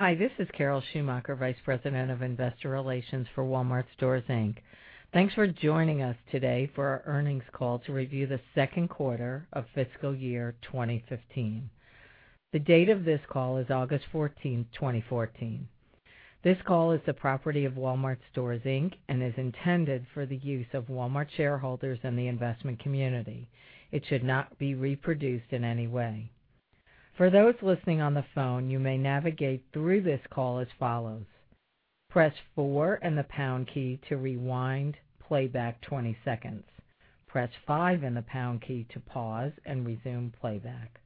Hi, this is Carol Schumacher, Vice President of Investor Relations for Walmart Stores, Inc. Thanks for joining us today for our earnings call to review the second quarter of fiscal year 2015. The date of this call is August 14, 2014. This call is the property of Walmart Stores, Inc. and is intended for the use of Walmart shareholders and the investment community. It should not be reproduced in any way. For those listening on the phone, you may navigate through this call as follows: press four and the pound key to rewind, playback 20 seconds. Press five and the pound key to pause and resume playback.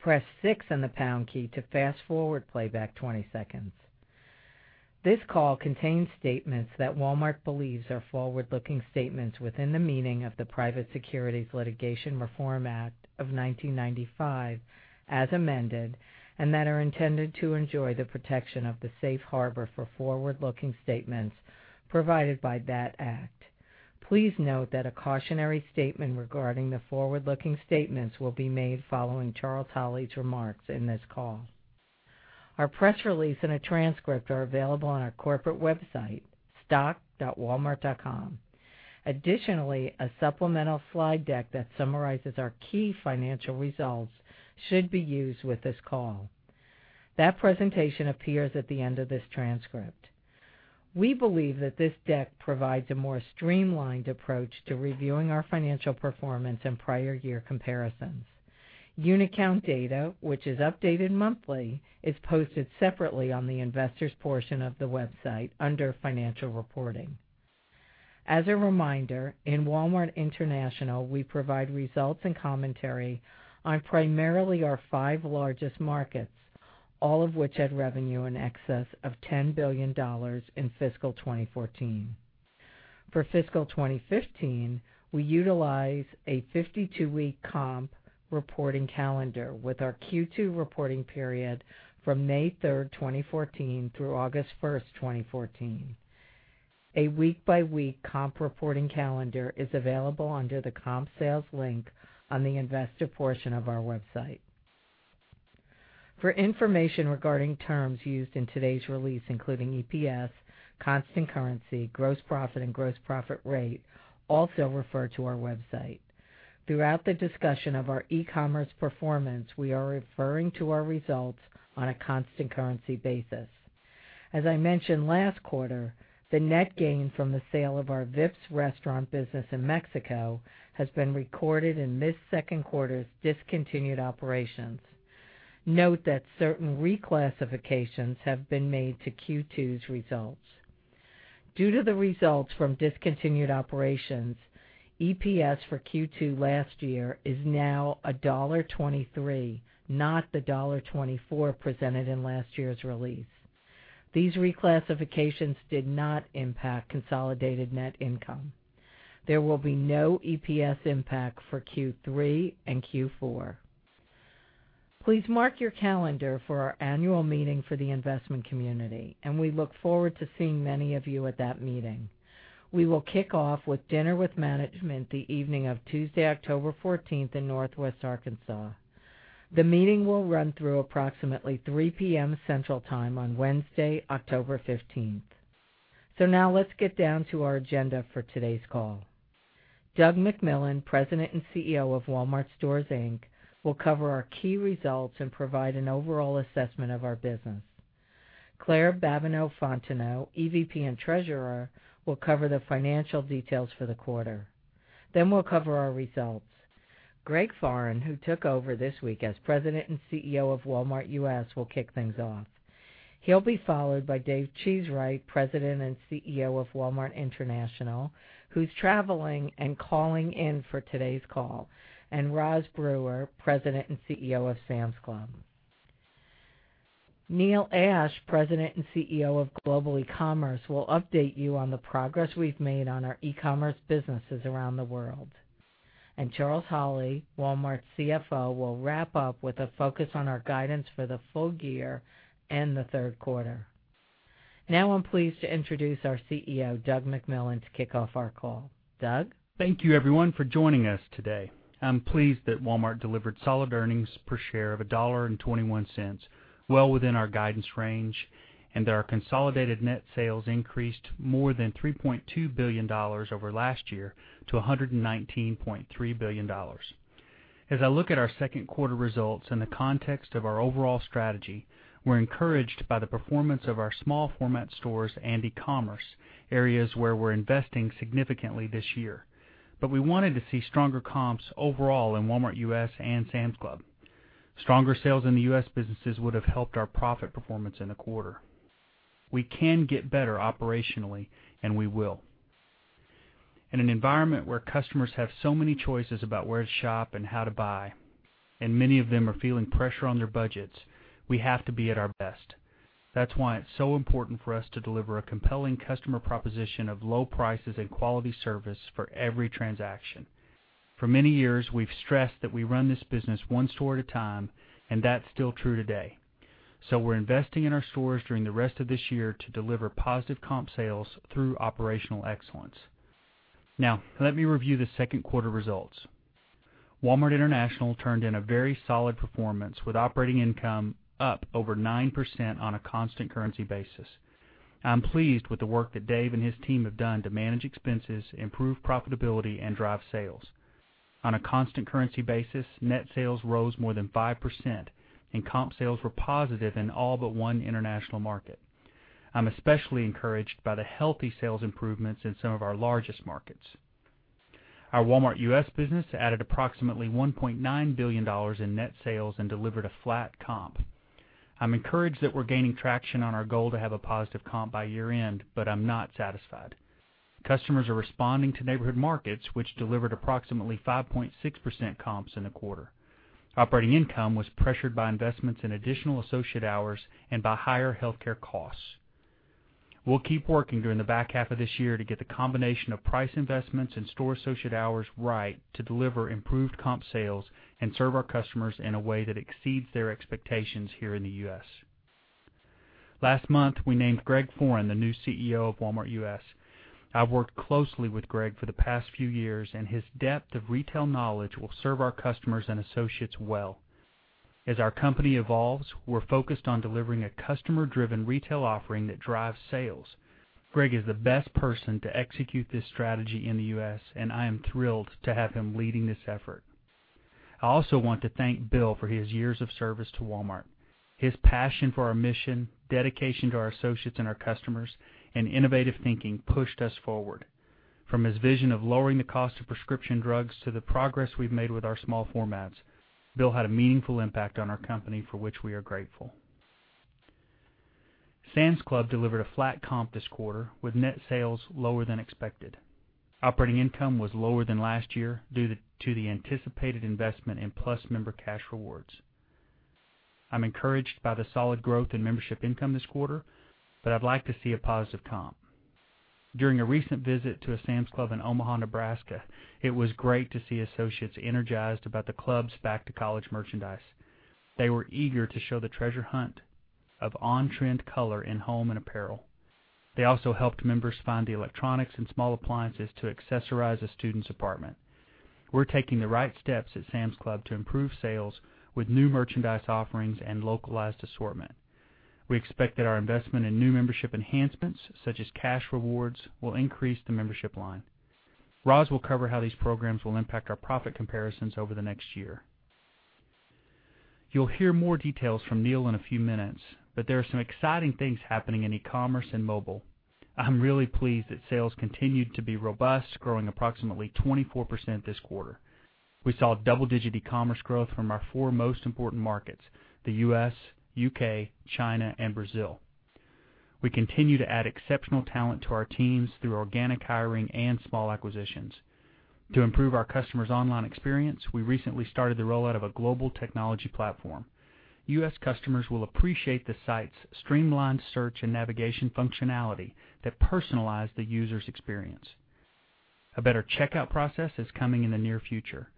Press six and the pound key to fast-forward playback 20 seconds. This call contains statements that Walmart believes are forward-looking statements within the meaning of the Private Securities Litigation Reform Act of 1995, as amended, and that are intended to enjoy the protection of the safe harbor for forward-looking statements provided by that act. Please note that a cautionary statement regarding the forward-looking statements will be made following Charles Holley's remarks in this call. Our press release and a transcript are available on our corporate website, stock.walmart.com. Additionally, a supplemental slide deck that summarizes our key financial results should be used with this call. That presentation appears at the end of this transcript. We believe that this deck provides a more streamlined approach to reviewing our financial performance and prior year comparisons. Unit count data, which is updated monthly, is posted separately on the investors' portion of the website under financial reporting. As a reminder, in Walmart International, we provide results and commentary on primarily our five largest markets, all of which had revenue in excess of $10 billion in FY 2014. For FY 2015, we utilize a 52-week comp reporting calendar with our Q2 reporting period from May 3rd, 2014 through August 1st, 2014. A week-by-week comp reporting calendar is available under the comp sales link on the investor portion of our website. For information regarding terms used in today's release, including EPS, constant currency, gross profit, and gross profit rate, also refer to our website. Throughout the discussion of our e-commerce performance, we are referring to our results on a constant currency basis. As I mentioned last quarter, the net gain from the sale of our Vips restaurant business in Mexico has been recorded in this second quarter's discontinued operations. Note that certain reclassifications have been made to Q2's results. Due to the results from discontinued operations, EPS for Q2 last year is now $1.23, not the $1.24 presented in last year's release. These reclassifications did not impact consolidated net income. There will be no EPS impact for Q3 and Q4. Please mark your calendar for our annual meeting for the investment community, and we look forward to seeing many of you at that meeting. We will kick off with dinner with management the evening of Tuesday, October 14th in Northwest Arkansas. The meeting will run through approximately 3:00 P.M. Central Time on Wednesday, October 15th. Now let's get down to our agenda for today's call. Doug McMillon, President and CEO of Walmart Stores, Inc., will cover our key results and provide an overall assessment of our business. Claire Babineaux-Fontenot, EVP and Treasurer, will cover the financial details for the quarter. We'll cover our results. Greg Foran, who took over this week as President and CEO of Walmart U.S., will kick things off. He'll be followed by David Cheesewright, President and CEO of Walmart International, who's traveling and calling in for today's call, and Rosalind Brewer, President and CEO of Sam's Club. Neil Ashe, President and CEO of Global eCommerce, will update you on the progress we've made on our e-commerce businesses around the world. Charles Holley, Walmart's CFO, will wrap up with a focus on our guidance for the full year and the third quarter. I'm pleased to introduce our CEO, Doug McMillon, to kick off our call. Doug? Thank you everyone for joining us today. I'm pleased that Walmart delivered solid earnings per share of $1.21, well within our guidance range, and that our consolidated net sales increased more than $3.2 billion over last year to $119.3 billion. As I look at our second quarter results in the context of our overall strategy, we're encouraged by the performance of our small format stores and e-commerce, areas where we're investing significantly this year. We wanted to see stronger comps overall in Walmart U.S. and Sam's Club. Stronger sales in the U.S. businesses would have helped our profit performance in the quarter. We can get better operationally, and we will. In an environment where customers have so many choices about where to shop and how to buy, and many of them are feeling pressure on their budgets, we have to be at our best. That's why it's so important for us to deliver a compelling customer proposition of low prices and quality service for every transaction. For many years, we've stressed that we run this business one store at a time, and that's still true today. We're investing in our stores during the rest of this year to deliver positive comp sales through operational excellence. Let me review the second quarter results. Walmart International turned in a very solid performance with operating income up over 9% on a constant currency basis. I'm pleased with the work that Dave and his team have done to manage expenses, improve profitability, and drive sales. On a constant currency basis, net sales rose more than 5%, and comp sales were positive in all but one international market. I'm especially encouraged by the healthy sales improvements in some of our largest markets. Our Walmart U.S. business added approximately $1.9 billion in net sales and delivered a flat comp. I'm encouraged that we're gaining traction on our goal to have a positive comp by year-end, but I'm not satisfied. Customers are responding to neighborhood markets, which delivered approximately 5.6% comps in the quarter. Operating income was pressured by investments in additional associate hours and by higher healthcare costs. We'll keep working during the back half of this year to get the combination of price investments and store associate hours right to deliver improved comp sales and serve our customers in a way that exceeds their expectations here in the U.S. Last month, we named Greg Foran the new CEO of Walmart U.S. I've worked closely with Greg for the past few years, and his depth of retail knowledge will serve our customers and associates well. As our company evolves, we're focused on delivering a customer-driven retail offering that drives sales. Greg is the best person to execute this strategy in the U.S., I am thrilled to have him leading this effort. I also want to thank Bill for his years of service to Walmart. His passion for our mission, dedication to our associates and our customers, and innovative thinking pushed us forward. From his vision of lowering the cost of prescription drugs to the progress we've made with our small formats, Bill had a meaningful impact on our company for which we are grateful. Sam's Club delivered a flat comp this quarter with net sales lower than expected. Operating income was lower than last year due to the anticipated investment in Plus Member Cash Rewards. I'd like to see a positive comp. During a recent visit to a Sam's Club in Omaha, Nebraska, it was great to see associates energized about the club's back-to-college merchandise. They were eager to show the treasure hunt of on-trend color in home and apparel. They also helped members find the electronics and small appliances to accessorize a student's apartment. We're taking the right steps at Sam's Club to improve sales with new merchandise offerings and localized assortment. We expect that our investment in new membership enhancements, such as cash rewards, will increase the membership line. Roz will cover how these programs will impact our profit comparisons over the next year. You'll hear more details from Neil in a few minutes, There are some exciting things happening in e-commerce and mobile. I'm really pleased that sales continued to be robust, growing approximately 24% this quarter. We saw double-digit e-commerce growth from our four most important markets: the U.S., U.K., China, and Brazil. We continue to add exceptional talent to our teams through organic hiring and small acquisitions. To improve our customers' online experience, we recently started the rollout of a global technology platform. U.S. customers will appreciate the site's streamlined search and navigation functionality that personalize the user's experience. A better checkout process is coming in the near future.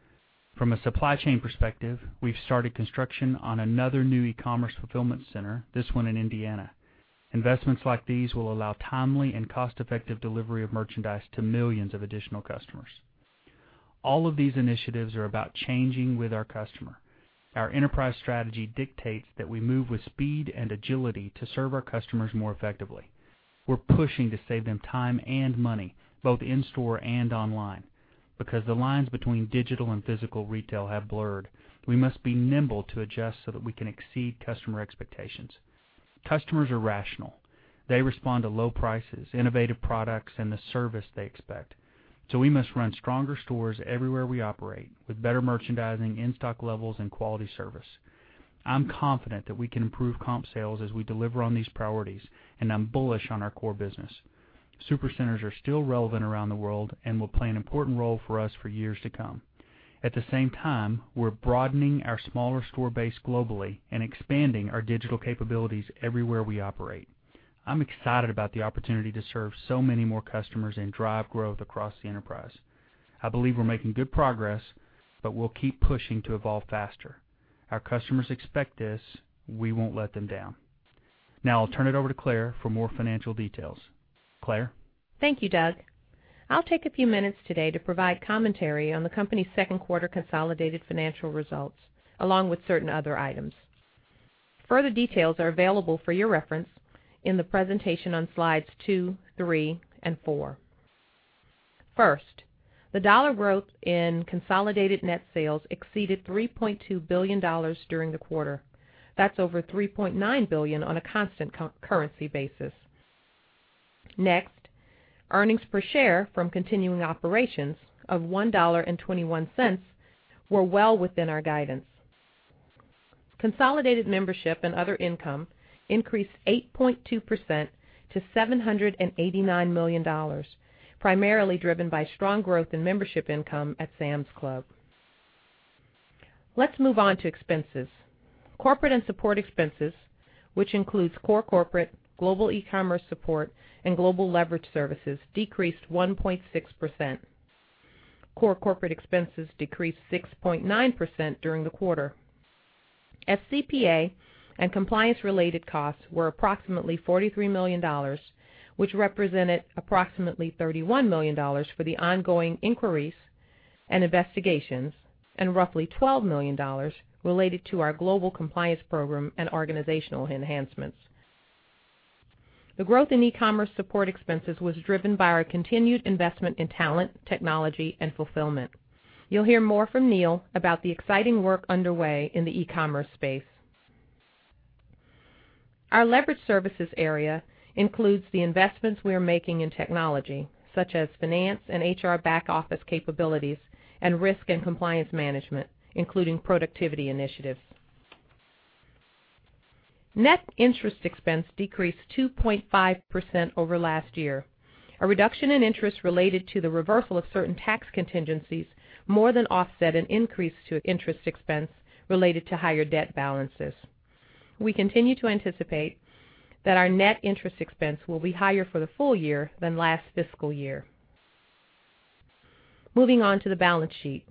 From a supply chain perspective, we've started construction on another new e-commerce fulfillment center, this one in Indiana. Investments like these will allow timely and cost-effective delivery of merchandise to millions of additional customers. All of these initiatives are about changing with our customer. Our enterprise strategy dictates that we move with speed and agility to serve our customers more effectively. We're pushing to save them time and money, both in-store and online. Because the lines between digital and physical retail have blurred, we must be nimble to adjust so that we can exceed customer expectations. Customers are rational. They respond to low prices, innovative products, and the service they expect. We must run stronger stores everywhere we operate with better merchandising, in-stock levels, and quality service. I'm confident that we can improve comp sales as we deliver on these priorities, I am bullish on our core business. Supercenters are still relevant around the world and will play an important role for us for years to come. At the same time, we're broadening our smaller store base globally and expanding our digital capabilities everywhere we operate. I'm excited about the opportunity to serve so many more customers and drive growth across the enterprise. I believe we're making good progress, We'll keep pushing to evolve faster. Our customers expect this. We won't let them down. Now I'll turn it over to Claire for more financial details. Claire? Thank you, Doug. I'll take a few minutes today to provide commentary on the company's second quarter consolidated financial results, along with certain other items. Further details are available for your reference in the presentation on slides two, three, and four. First, the dollar growth in consolidated net sales exceeded $3.2 billion during the quarter. That's over $3.9 billion on a constant currency basis. Next, earnings per share from continuing operations of $1.21 were well within our guidance. Consolidated membership and other income increased 8.2% to $789 million, primarily driven by strong growth in membership income at Sam's Club. Let's move on to expenses. Corporate and support expenses, which includes core corporate, Global eCommerce support, and global leverage services, decreased 1.6%. Core corporate expenses decreased 6.9% during the quarter. FCPA and compliance-related costs were approximately $43 million, which represented approximately $31 million for the ongoing inquiries and investigations, and roughly $12 million related to our global compliance program and organizational enhancements. The growth in eCommerce support expenses was driven by our continued investment in talent, technology, and fulfillment. You'll hear more from Neil about the exciting work underway in the eCommerce space. Our leverage services area includes the investments we are making in technology such as finance and HR back office capabilities, and risk and compliance management, including productivity initiatives. Net interest expense decreased 2.5% over last year. A reduction in interest related to the reversal of certain tax contingencies more than offset an increase to interest expense related to higher debt balances. We continue to anticipate that our net interest expense will be higher for the full year than last fiscal year. Moving on to the balance sheet.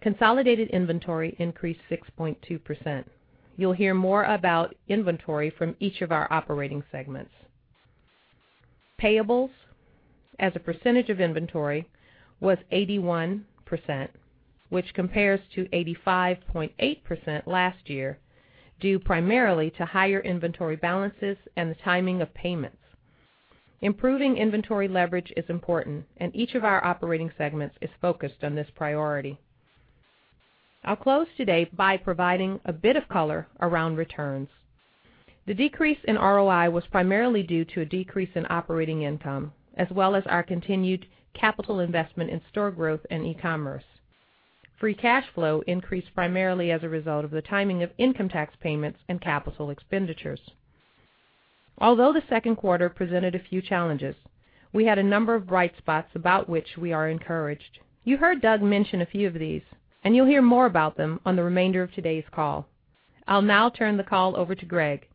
Consolidated inventory increased 6.2%. You'll hear more about inventory from each of our operating segments. Payables as a percentage of inventory was 81%, which compares to 85.8% last year, due primarily to higher inventory balances and the timing of payments. Improving inventory leverage is important, and each of our operating segments is focused on this priority. I'll close today by providing a bit of color around returns. The decrease in ROI was primarily due to a decrease in operating income, as well as our continued capital investment in store growth and eCommerce. Free cash flow increased primarily as a result of the timing of income tax payments and capital expenditures. Although the second quarter presented a few challenges, we had a number of bright spots about which we are encouraged. You heard Doug mention a few of these, and you'll hear more about them on the remainder of today's call. I'll now turn the call over to Greg.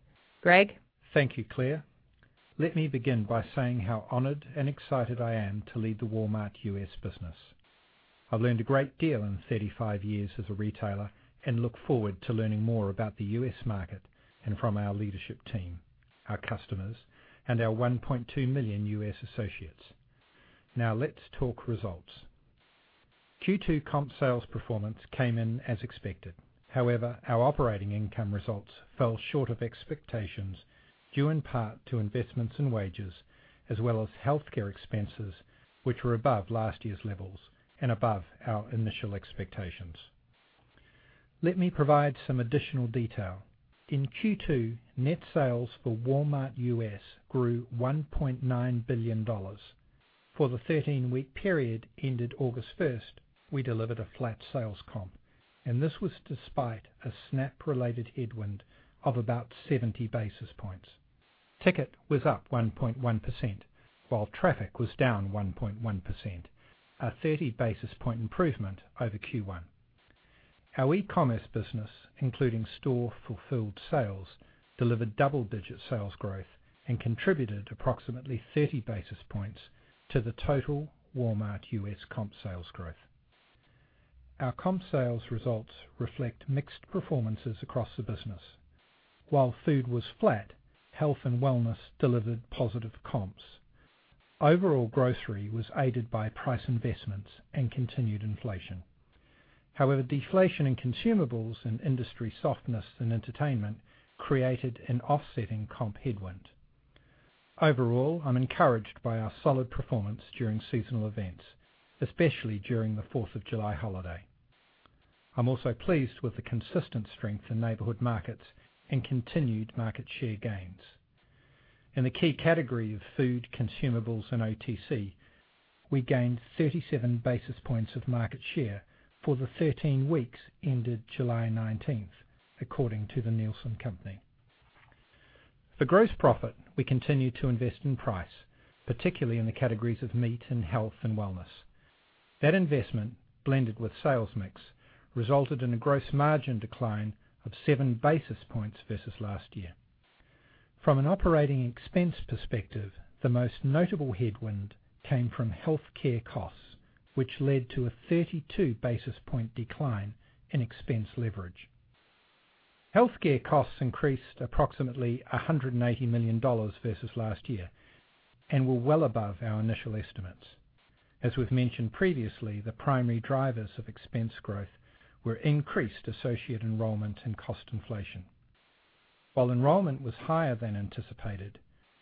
Greg? Thank you, Claire. Let me begin by saying how honored and excited I am to lead the Walmart U.S. business. I've learned a great deal in 35 years as a retailer and look forward to learning more about the U.S. market and from our leadership team, our customers, and our 1.2 million U.S. associates. Let's talk results. Q2 comp sales performance came in as expected. However, our operating income results fell short of expectations due in part to investments in wages, as well as healthcare expenses, which were above last year's levels and above our initial expectations. Let me provide some additional detail. In Q2, net sales for Walmart U.S. grew $1.9 billion. For the 13-week period ended August 1st, we delivered a flat sales comp. This was despite a SNAP-related headwind of about 70 basis points. Ticket was up 1.1%, while traffic was down 1.1%, a 30 basis point improvement over Q1. Our eCommerce business, including store-fulfilled sales, delivered double-digit sales growth and contributed approximately 30 basis points to the total Walmart U.S. comp sales growth. Our comp sales results reflect mixed performances across the business. While food was flat, health and wellness delivered positive comps. Overall grocery was aided by price investments and continued inflation. Deflation in consumables and industry softness in entertainment created an offsetting comp headwind. Overall, I'm encouraged by our solid performance during seasonal events, especially during the Fourth of July holiday. I'm also pleased with the consistent strength in Neighborhood Markets and continued market share gains. In the key category of food, consumables, and OTC, we gained 37 basis points of market share for the 13 weeks ended July 19th, according to The Nielsen Company. For gross profit, we continued to invest in price, particularly in the categories of meat and health and wellness. That investment, blended with sales mix, resulted in a gross margin decline of seven basis points versus last year. From an operating expense perspective, the most notable headwind came from healthcare costs, which led to a 32 basis point decline in expense leverage. Healthcare costs increased approximately $180 million versus last year and were well above our initial estimates. As we've mentioned previously, the primary drivers of expense growth were increased associate enrollment and cost inflation. While enrollment was higher than anticipated,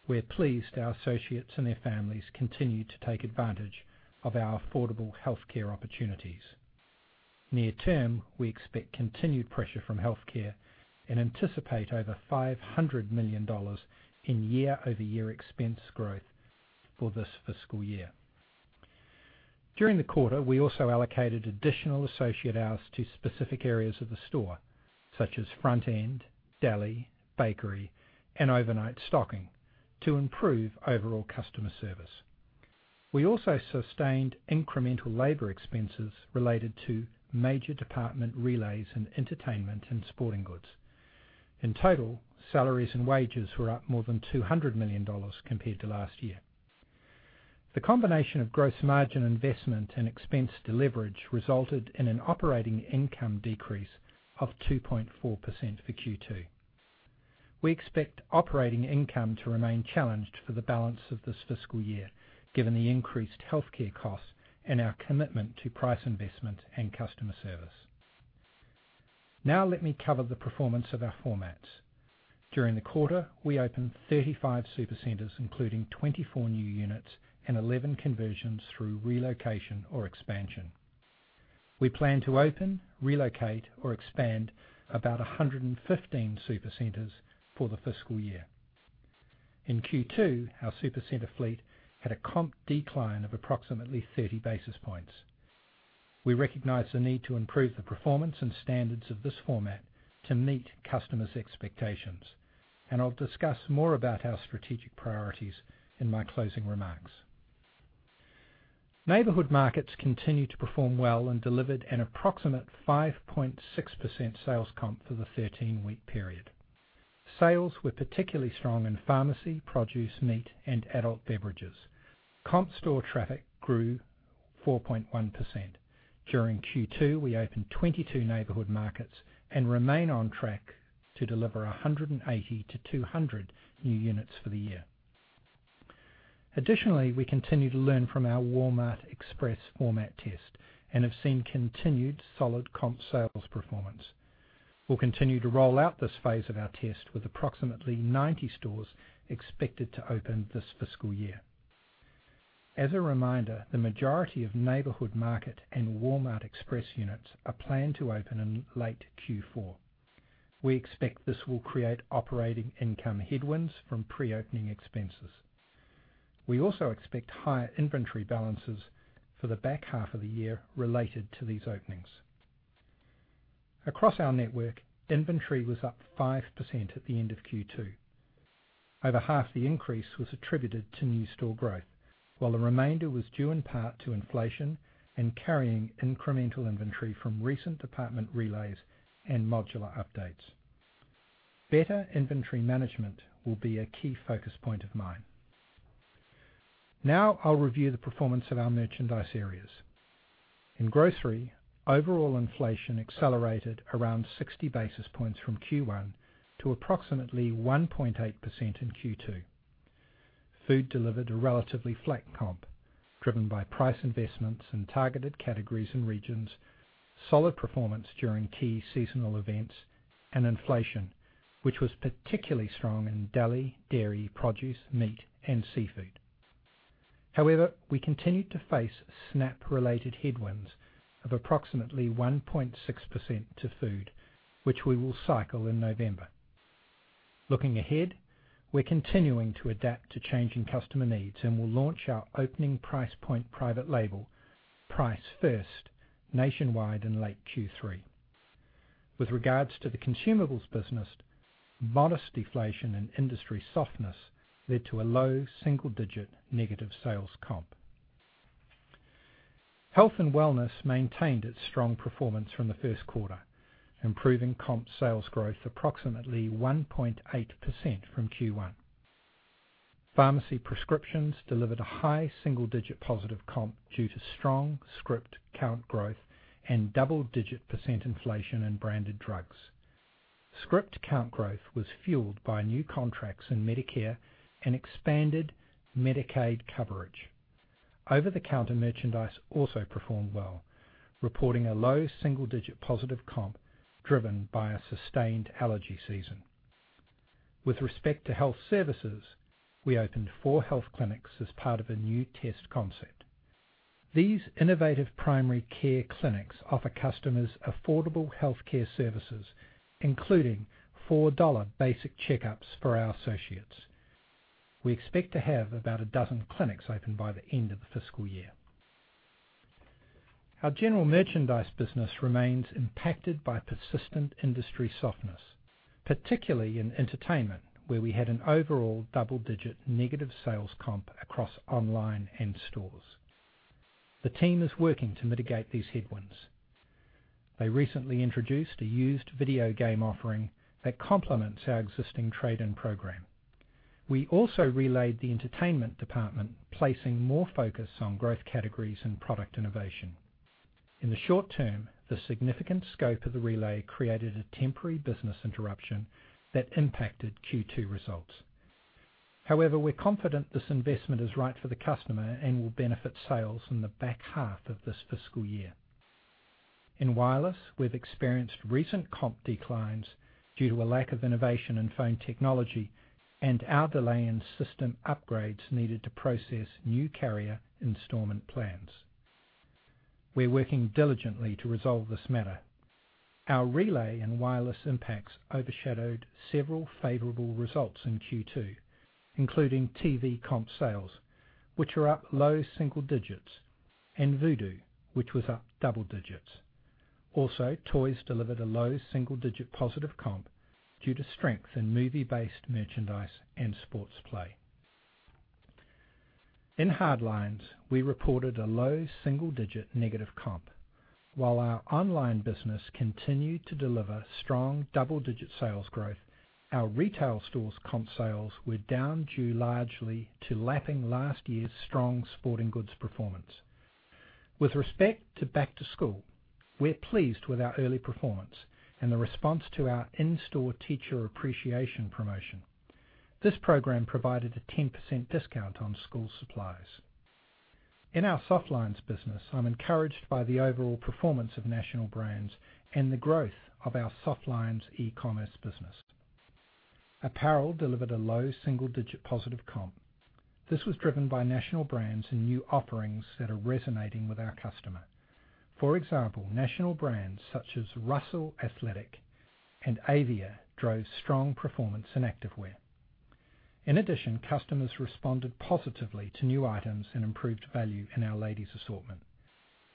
we're pleased our associates and their families continued to take advantage of our affordable healthcare opportunities. Near term, we expect continued pressure from healthcare and anticipate over $500 million in year-over-year expense growth for this fiscal year. During the quarter, we also allocated additional associate hours to specific areas of the store, such as front end, deli, bakery, and overnight stocking to improve overall customer service. We also sustained incremental labor expenses related to major department relays in entertainment and sporting goods. In total, salaries and wages were up more than $200 million compared to last year. The combination of gross margin investment and expense deleverage resulted in an operating income decrease of 2.4% for Q2. We expect operating income to remain challenged for the balance of this fiscal year, given the increased healthcare costs and our commitment to price investment and customer service. Let me cover the performance of our formats. During the quarter, we opened 35 Supercenters, including 24 new units and 11 conversions through relocation or expansion. We plan to open, relocate, or expand about 115 Supercenters for the fiscal year. In Q2, our Supercenter fleet had a comp decline of approximately 30 basis points. We recognize the need to improve the performance and standards of this format to meet customers' expectations. I'll discuss more about our strategic priorities in my closing remarks. Neighborhood Markets continue to perform well and delivered an approximate 5.6% sales comp for the 13-week period. Sales were particularly strong in pharmacy, produce, meat, and adult beverages. Comp store traffic grew 4.1%. During Q2, we opened 22 Neighborhood Markets and remain on track to deliver 180 to 200 new units for the year. Additionally, we continue to learn from our Walmart Express format test and have seen continued solid comp sales performance. We'll continue to roll out this phase of our test with approximately 90 stores expected to open this fiscal year. As a reminder, the majority of Neighborhood Market and Walmart Express units are planned to open in late Q4. We expect this will create operating income headwinds from pre-opening expenses. We also expect higher inventory balances for the back half of the year related to these openings. Across our network, inventory was up 5% at the end of Q2. Over half the increase was attributed to new store growth, while the remainder was due in part to inflation and carrying incremental inventory from recent department relays and modular updates. Better inventory management will be a key focus point of mine. I'll review the performance of our merchandise areas. In grocery, overall inflation accelerated around 60 basis points from Q1 to approximately 1.8% in Q2. Food delivered a relatively flat comp, driven by price investments in targeted categories and regions, solid performance during key seasonal events, and inflation, which was particularly strong in deli, dairy, produce, meat, and seafood. We continued to face SNAP-related headwinds of approximately 1.6% to food, which we will cycle in November. Looking ahead, we're continuing to adapt to changing customer needs and will launch our opening price point private label, Price First, nationwide in late Q3. With regards to the consumables business, modest deflation and industry softness led to a low single-digit negative sales comp. Health and wellness maintained its strong performance from the first quarter, improving comp sales growth approximately 1.8% from Q1. Pharmacy prescriptions delivered a high single-digit positive comp due to strong script count growth and double-digit percent inflation in branded drugs. Script count growth was fueled by new contracts in Medicare and expanded Medicaid coverage. Over-the-counter merchandise also performed well, reporting a low double-digit positive comp driven by a sustained allergy season. With respect to health services, we opened four health clinics as part of a new test concept. These innovative primary care clinics offer customers affordable healthcare services, including $4 basic checkups for our associates. We expect to have about a dozen clinics open by the end of the fiscal year. Our general merchandise business remains impacted by persistent industry softness, particularly in entertainment, where we had an overall double-digit negative sales comp across online and stores. The team is working to mitigate these headwinds. They recently introduced a used video game offering that complements our existing trade-in program. We also relayed the entertainment department, placing more focus on growth categories and product innovation. In the short term, the significant scope of the relay created a temporary business interruption that impacted Q2 results. However, we're confident this investment is right for the customer and will benefit sales in the back half of this fiscal year. In wireless, we've experienced recent comp declines due to a lack of innovation in phone technology and our delay in system upgrades needed to process new carrier installment plans. We're working diligently to resolve this matter. Our relay and wireless impacts overshadowed several favorable results in Q2, including TV comp sales, which are up low single digits, and Vudu, which was up double digits. Also, toys delivered a low single-digit positive comp due to strength in movie-based merchandise and sports play. In hard lines, we reported a low single-digit negative comp. While our online business continued to deliver strong double-digit sales growth, our retail stores comp sales were down due largely to lapping last year's strong sporting goods performance. With respect to back to school, we're pleased with our early performance and the response to our in-store teacher appreciation promotion. This program provided a 10% discount on school supplies. In our soft lines business, I'm encouraged by the overall performance of national brands and the growth of our soft lines e-commerce business. Apparel delivered a low single-digit positive comp. This was driven by national brands and new offerings that are resonating with our customer. For example, national brands such as Russell Athletic and Avia drove strong performance in activewear. In addition, customers responded positively to new items and improved value in our ladies assortment.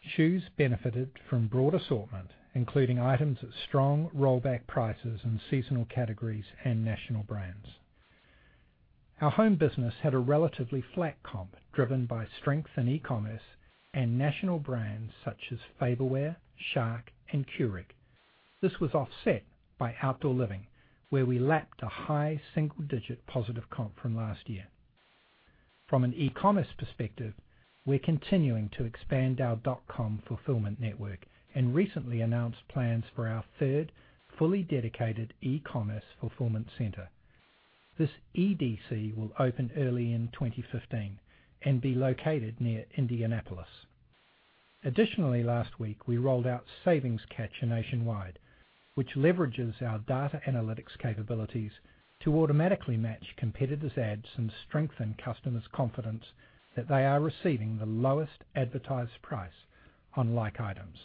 Shoes benefited from broad assortment, including items at strong rollback prices and seasonal categories and national brands. Our home business had a relatively flat comp driven by strength in e-commerce and national brands such as Farberware, Shark, and Keurig. This was offset by outdoor living, where we lapped a high single-digit positive comp from last year. From an e-commerce perspective, we're continuing to expand our dot-com fulfillment network and recently announced plans for our third fully dedicated e-commerce fulfillment center. This EDC will open early in 2015 and be located near Indianapolis. Additionally, last week, we rolled out Savings Catcher nationwide, which leverages our data analytics capabilities to automatically match competitors' ads and strengthen customers' confidence that they are receiving the lowest advertised price on like items.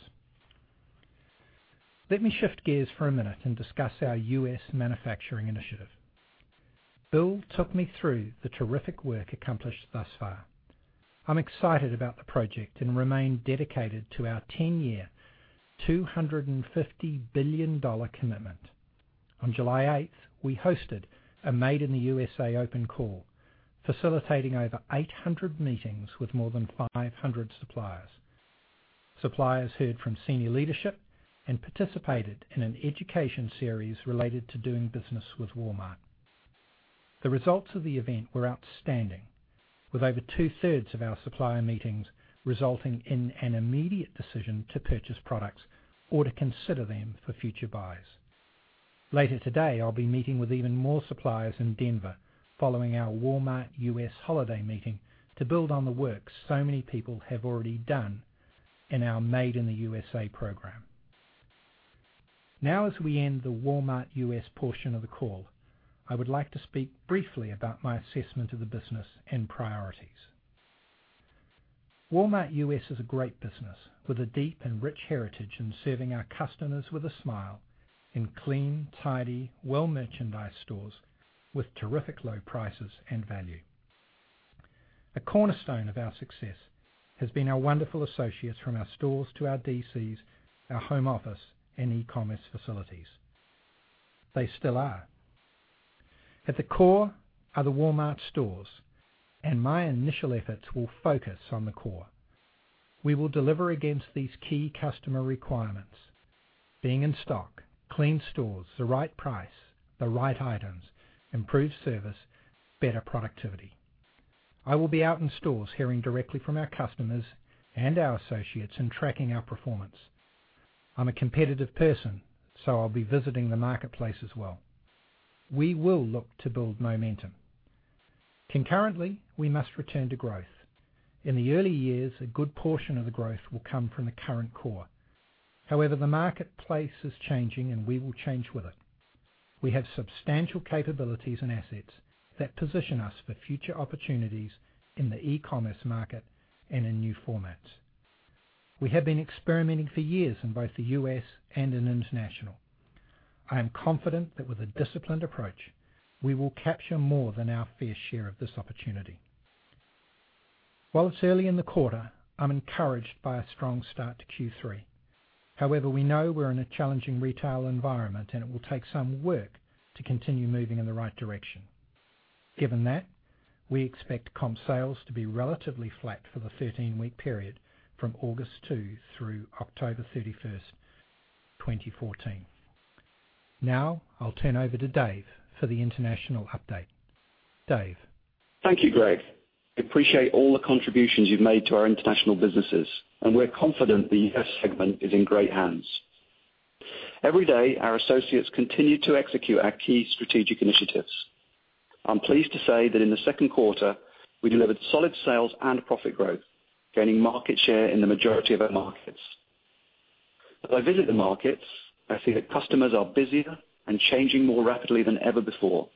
Let me shift gears for a minute and discuss our U.S. manufacturing initiative. Bill took me through the terrific work accomplished thus far. I'm excited about the project and remain dedicated to our 10-year, $250 billion commitment. On July 8th, we hosted a Made in the USA open call, facilitating over 800 meetings with more than 500 suppliers. Suppliers heard from senior leadership and participated in an education series related to doing business with Walmart. The results of the event were outstanding, with over two-thirds of our supplier meetings resulting in an immediate decision to purchase products or to consider them for future buys. Later today, I'll be meeting with even more suppliers in Denver following our Walmart U.S. holiday meeting to build on the work so many people have already done in our Made in the USA program. As we end the Walmart U.S. portion of the call, I would like to speak briefly about my assessment of the business and priorities. Walmart U.S. is a great business with a deep and rich heritage in serving our customers with a smile in clean, tidy, well-merchandised stores with terrific low prices and value. A cornerstone of our success has been our wonderful associates from our stores to our DCs, our home office, and e-commerce facilities. They still are. At the core are the Walmart stores, my initial efforts will focus on the core. We will deliver against these key customer requirements: being in stock, clean stores, the right price, the right items, improved service, better productivity. I will be out in stores hearing directly from our customers and our associates in tracking our performance. I'm a competitive person, I'll be visiting the marketplace as well. We will look to build momentum. Concurrently, we must return to growth. In the early years, a good portion of the growth will come from the current core. The marketplace is changing, and we will change with it. We have substantial capabilities and assets that position us for future opportunities in the e-commerce market and in new formats. We have been experimenting for years in both the U.S. and in international. I am confident that with a disciplined approach, we will capture more than our fair share of this opportunity. While it's early in the quarter, I'm encouraged by a strong start to Q3. We know we're in a challenging retail environment, and it will take some work to continue moving in the right direction. Given that, we expect comp sales to be relatively flat for the 13-week period from August 2 through October 31st, 2014. I'll turn over to Dave for the international update. Dave? Thank you, Greg. I appreciate all the contributions you've made to our international businesses, we're confident the U.S. segment is in great hands. Every day, our associates continue to execute our key strategic initiatives. I'm pleased to say that in the second quarter, we delivered solid sales and profit growth, gaining market share in the majority of our markets. As I visit the markets, I see that customers are busier and changing more rapidly than ever before.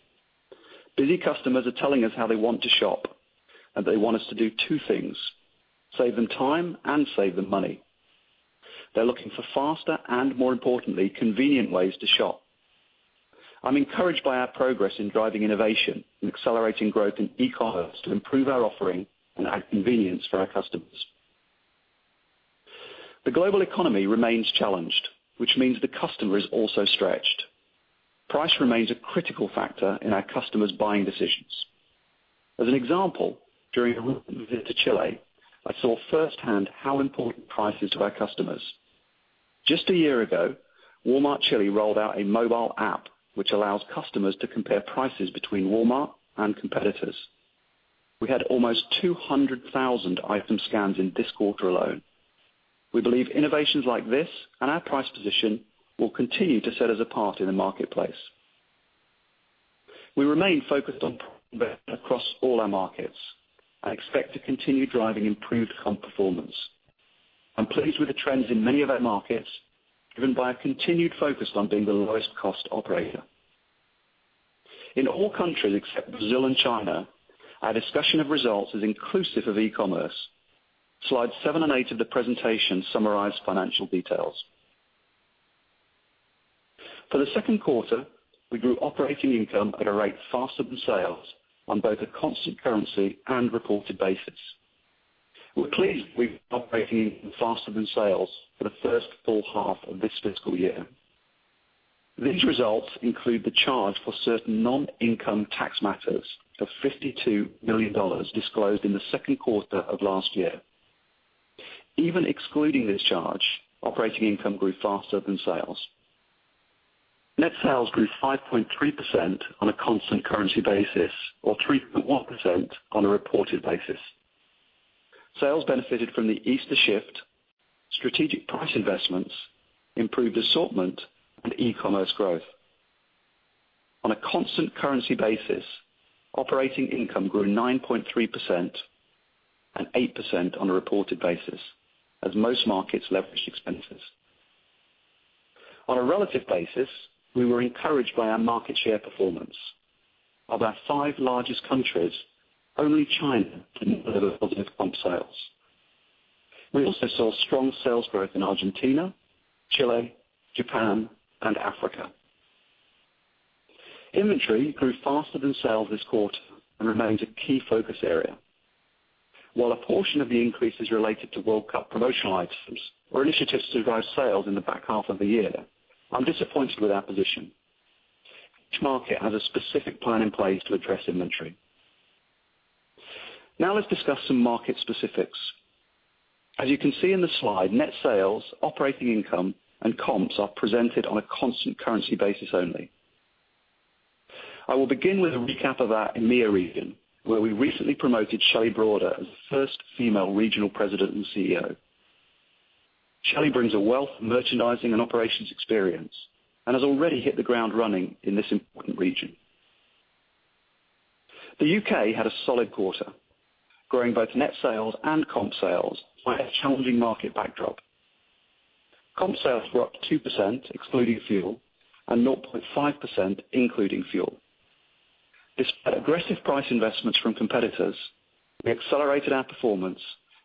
Busy customers are telling us how they want to shop, and they want us to do two things: save them time and save them money. They're looking for faster and, more importantly, convenient ways to shop. I'm encouraged by our progress in driving innovation and accelerating growth in e-commerce to improve our offering and add convenience for our customers. The global economy remains challenged, which means the customer is also stretched. Price remains a critical factor in our customers' buying decisions. As an example, during a recent visit to Chile, I saw firsthand how important price is to our customers. Just a year ago, Walmart Chile rolled out a mobile app which allows customers to compare prices between Walmart and competitors. We had almost 200,000 item scans in this quarter alone. We believe innovations like this and our price position will continue to set us apart in the marketplace. We remain focused on progress across all our markets and expect to continue driving improved comp performance. I'm pleased with the trends in many of our markets, driven by a continued focus on being the lowest cost operator. In all countries except Brazil and China, our discussion of results is inclusive of e-commerce. Slides seven and eight of the presentation summarize financial details. For the second quarter, we grew operating income at a rate faster than sales on both a constant currency and reported basis. We're pleased with operating faster than sales for the first full half of this fiscal year. These results include the charge for certain non-income tax matters of $52 million disclosed in the second quarter of last year. Even excluding this charge, operating income grew faster than sales. Net sales grew 5.3% on a constant currency basis, or 3.1% on a reported basis. Sales benefited from the Easter shift, strategic price investments, improved assortment, and e-commerce growth. On a constant currency basis, operating income grew 9.3% and 8% on a reported basis as most markets leveraged expenses. On a relative basis, we were encouraged by our market share performance. Of our five largest countries, only China didn't delivered positive comp sales. We also saw strong sales growth in Argentina, Chile, Japan, and Africa. Inventory grew faster than sales this quarter and remains a key focus area. While a portion of the increase is related to World Cup promotional items or initiatives to drive sales in the back half of the year, I'm disappointed with our position. Each market has a specific plan in place to address inventory. Let's discuss some market specifics. As you can see in the slide, net sales, operating income, and comps are presented on a constant currency basis only. I will begin with a recap of our EMEA region, where we recently promoted Shelley Broader as the first female regional president and CEO. Shelley brings a wealth of merchandising and operations experience and has already hit the ground running in this important region. The U.K. had a solid quarter, growing both net sales and comp sales by a challenging market backdrop. Comp sales were up 2% excluding fuel and 0.5% including fuel. Despite aggressive price investments from competitors, we accelerated our performance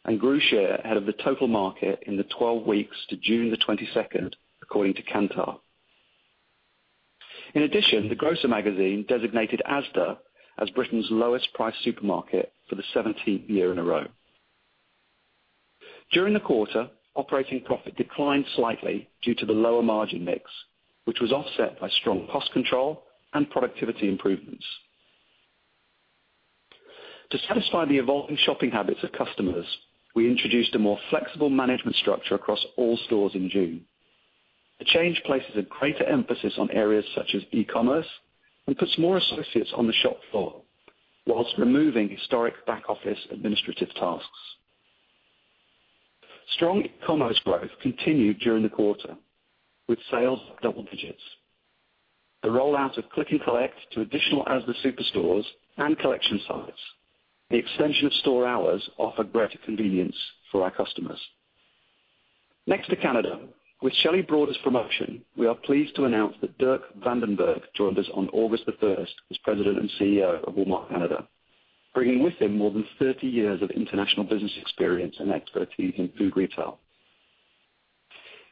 and grew share ahead of the total market in the 12 weeks to June the 22nd, according to Kantar. In addition, The Grocer magazine designated Asda as Britain's lowest priced supermarket for the 17th year in a row. During the quarter, operating profit declined slightly due to the lower margin mix, which was offset by strong cost control and productivity improvements. To satisfy the evolving shopping habits of customers, we introduced a more flexible management structure across all stores in June. The change places a greater emphasis on areas such as e-commerce and puts more associates on the shop floor whilst removing historic back office administrative tasks. Strong e-commerce growth continued during the quarter, with sales double digits. The rollout of click and collect to additional Asda Supercenters and collection sites. The extension of store hours offered greater convenience for our customers. Next to Canada. With Shelley Broader's promotion, we are pleased to announce that Dirk Van den Berghe joined us on August the 1st as President and CEO of Walmart Canada, bringing with him more than 30 years of international business experience and expertise in food retail.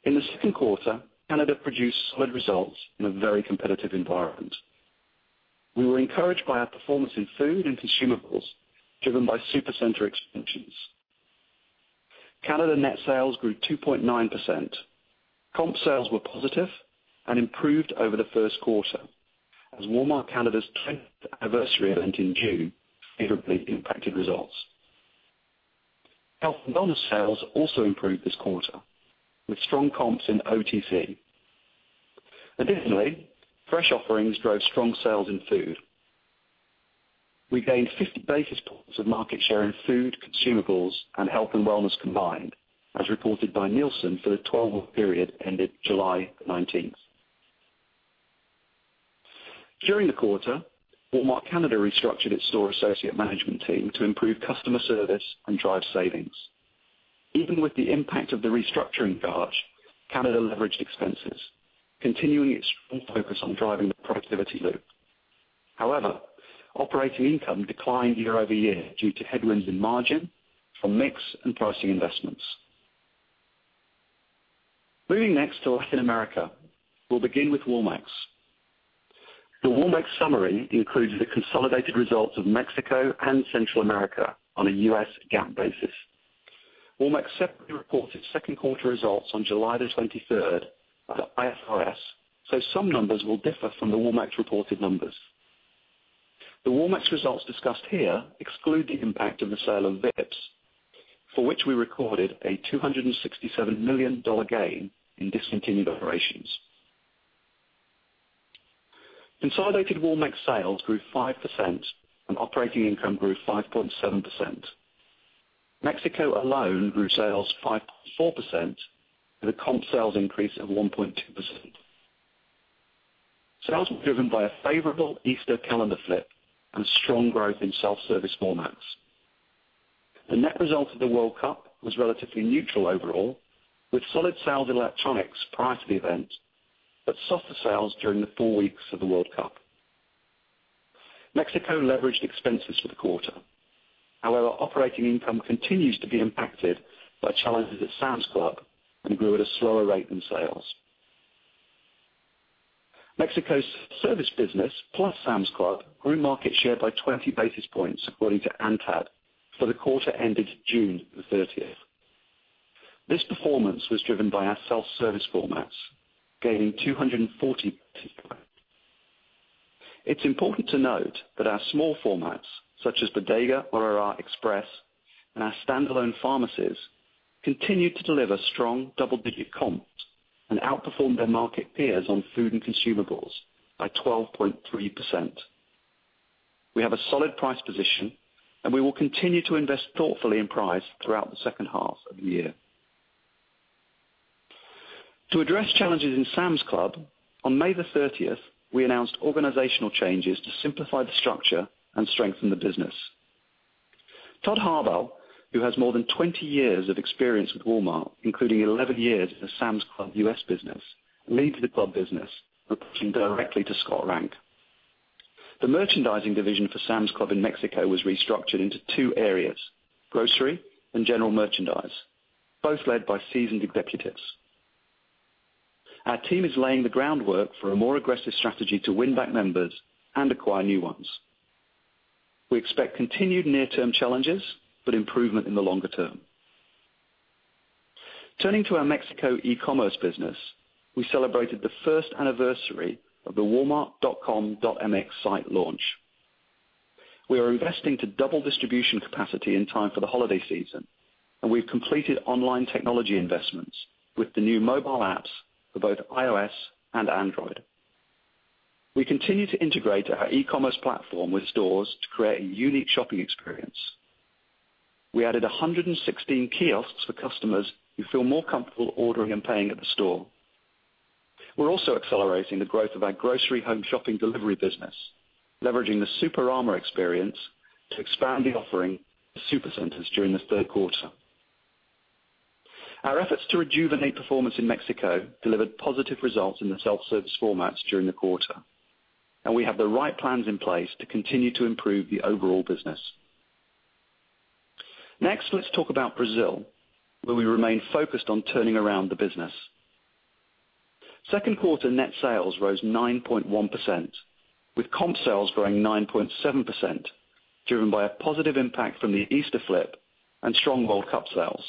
In the second quarter, Canada produced solid results in a very competitive environment. We were encouraged by our performance in food and consumables, driven by Supercenter expansions. Canada net sales grew 2.9%. Comp sales were positive and improved over the first quarter as Walmart Canada's 20th anniversary event in June favorably impacted results. Health and wellness sales also improved this quarter, with strong comps in OTC. Fresh offerings drove strong sales in food. We gained 50 basis points of market share in food, consumables, and health and wellness combined, as reported by Nielsen for the 12-week period ended July 19th. During the quarter, Walmart Canada restructured its store associate management team to improve customer service and drive savings. Even with the impact of the restructuring charge, Canada leveraged expenses, continuing its strong focus on driving the productivity loop. Operating income declined year-over-year due to headwinds in margin from mix and pricing investments. Moving next to Latin America. We'll begin with Walmex. The Walmex summary includes the consolidated results of Mexico and Central America on a US GAAP basis. Walmex separately reported second quarter results on July the 23rd at IFRS, some numbers will differ from the Walmex reported numbers. The Walmex results discussed here exclude the impact of the sale of Vips, for which we recorded a $267 million gain in discontinued operations. Consolidated Walmex sales grew 5%, operating income grew 5.7%. Mexico alone grew sales 5.4% with a comp sales increase of 1.2%. Sales were driven by a favorable Easter calendar flip and strong growth in self-service formats. The net result of the World Cup was relatively neutral overall, with solid sales in electronics prior to the event, softer sales during the four weeks of the World Cup. Mexico leveraged expenses for the quarter. Operating income continues to be impacted by challenges at Sam's Club and grew at a slower rate than sales. Mexico's service business, plus Sam's Club, grew market share by 20 basis points according to ANTAD for the quarter ended June the 30th. This performance was driven by our self-service formats, gaining 240 basis points. It's important to note that our small formats, such as Bodega Aurrerá Express and our standalone pharmacies, continue to deliver strong double-digit comps and outperform their market peers on food and consumables by 12.3%. We have a solid price position, we will continue to invest thoughtfully in price throughout the second half of the year. To address challenges in Sam's Club, on May the 30th, we announced organizational changes to simplify the structure and strengthen the business. Todd Harbaugh, who has more than 20 years of experience with Walmart, including 11 years at the Sam's Club U.S. business, leads the club business, reporting directly to Scott Price. The merchandising division for Sam's Club in Mexico was restructured into two areas, grocery and general merchandise, both led by seasoned executives. Our team is laying the groundwork for a more aggressive strategy to win back members and acquire new ones. We expect continued near-term challenges, but improvement in the longer term. Turning to our Mexico e-commerce business, we celebrated the first anniversary of the walmart.com.mx site launch. We are investing to double distribution capacity in time for the holiday season, and we've completed online technology investments with the new mobile apps for both iOS and Android. We continue to integrate our e-commerce platform with stores to create a unique shopping experience. We added 116 kiosks for customers who feel more comfortable ordering and paying at the store. We're also accelerating the growth of our grocery home shopping delivery business, leveraging the Superama experience to expand the offering to Supercenters during the third quarter. Our efforts to rejuvenate performance in Mexico delivered positive results in the self-service formats during the quarter, and we have the right plans in place to continue to improve the overall business. Next, let's talk about Brazil, where we remain focused on turning around the business. Second quarter net sales rose 9.1%, with comp sales growing 9.7%, driven by a positive impact from the Easter flip and strong World Cup sales.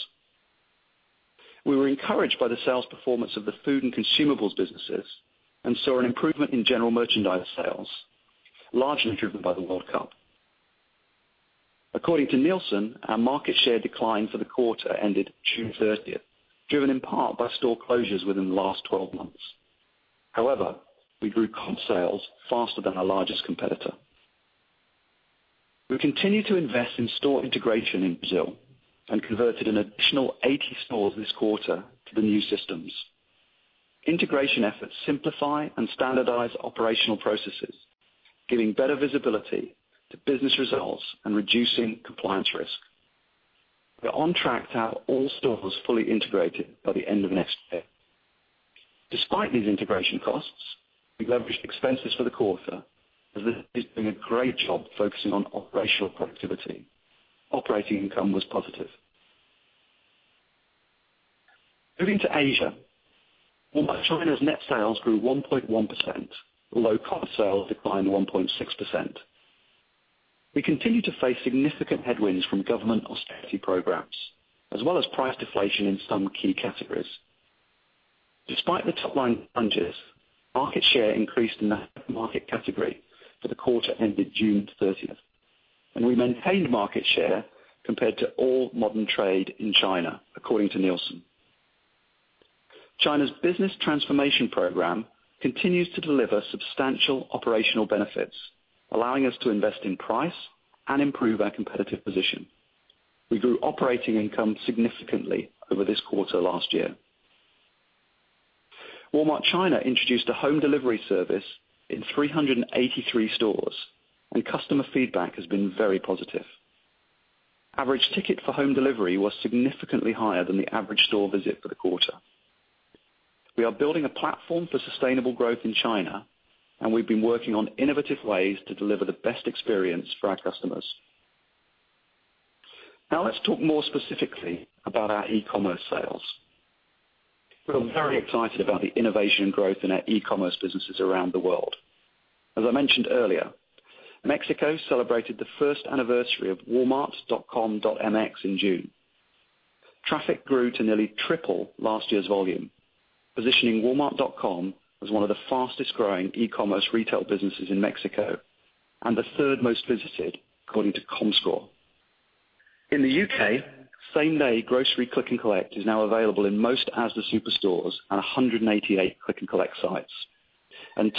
We were encouraged by the sales performance of the food and consumables businesses and saw an improvement in general merchandise sales, largely driven by the World Cup. According to Nielsen, our market share declined for the quarter ended June 30th, driven in part by store closures within the last 12 months. However, we grew comp sales faster than our largest competitor. We continued to invest in store integration in Brazil and converted an additional 80 stores this quarter to the new systems. Integration efforts simplify and standardize operational processes, giving better visibility to business results and reducing compliance risk. We are on track to have all stores fully integrated by the end of next year. Despite these integration costs, we leveraged expenses for the quarter as the team has been doing a great job focusing on operational productivity. Operating income was positive. Moving to Asia. Walmart China's net sales grew 1.1%, although comp sales declined 1.6%. We continue to face significant headwinds from government austerity programs, as well as price deflation in some key categories. Despite the top-line challenges, market share increased in the hypermarket category for the quarter ended June 30th, and we maintained market share compared to all modern trade in China, according to Nielsen. China's business transformation program continues to deliver substantial operational benefits, allowing us to invest in price and improve our competitive position. We grew operating income significantly over this quarter last year. Walmart China introduced a home delivery service in 383 stores, and customer feedback has been very positive. Average ticket for home delivery was significantly higher than the average store visit for the quarter. We are building a platform for sustainable growth in China, and we've been working on innovative ways to deliver the best experience for our customers. Now let's talk more specifically about our e-commerce sales. We're very excited about the innovation growth in our e-commerce businesses around the world. As I mentioned earlier, Mexico celebrated the first anniversary of walmart.com.mx in June. Traffic grew to nearly triple last year's volume, positioning walmart.com as one of the fastest-growing e-commerce retail businesses in Mexico and the third most visited according to Comscore. In the U.K., same-day grocery click and collect is now available in most Asda superstores and 188 click and collect sites.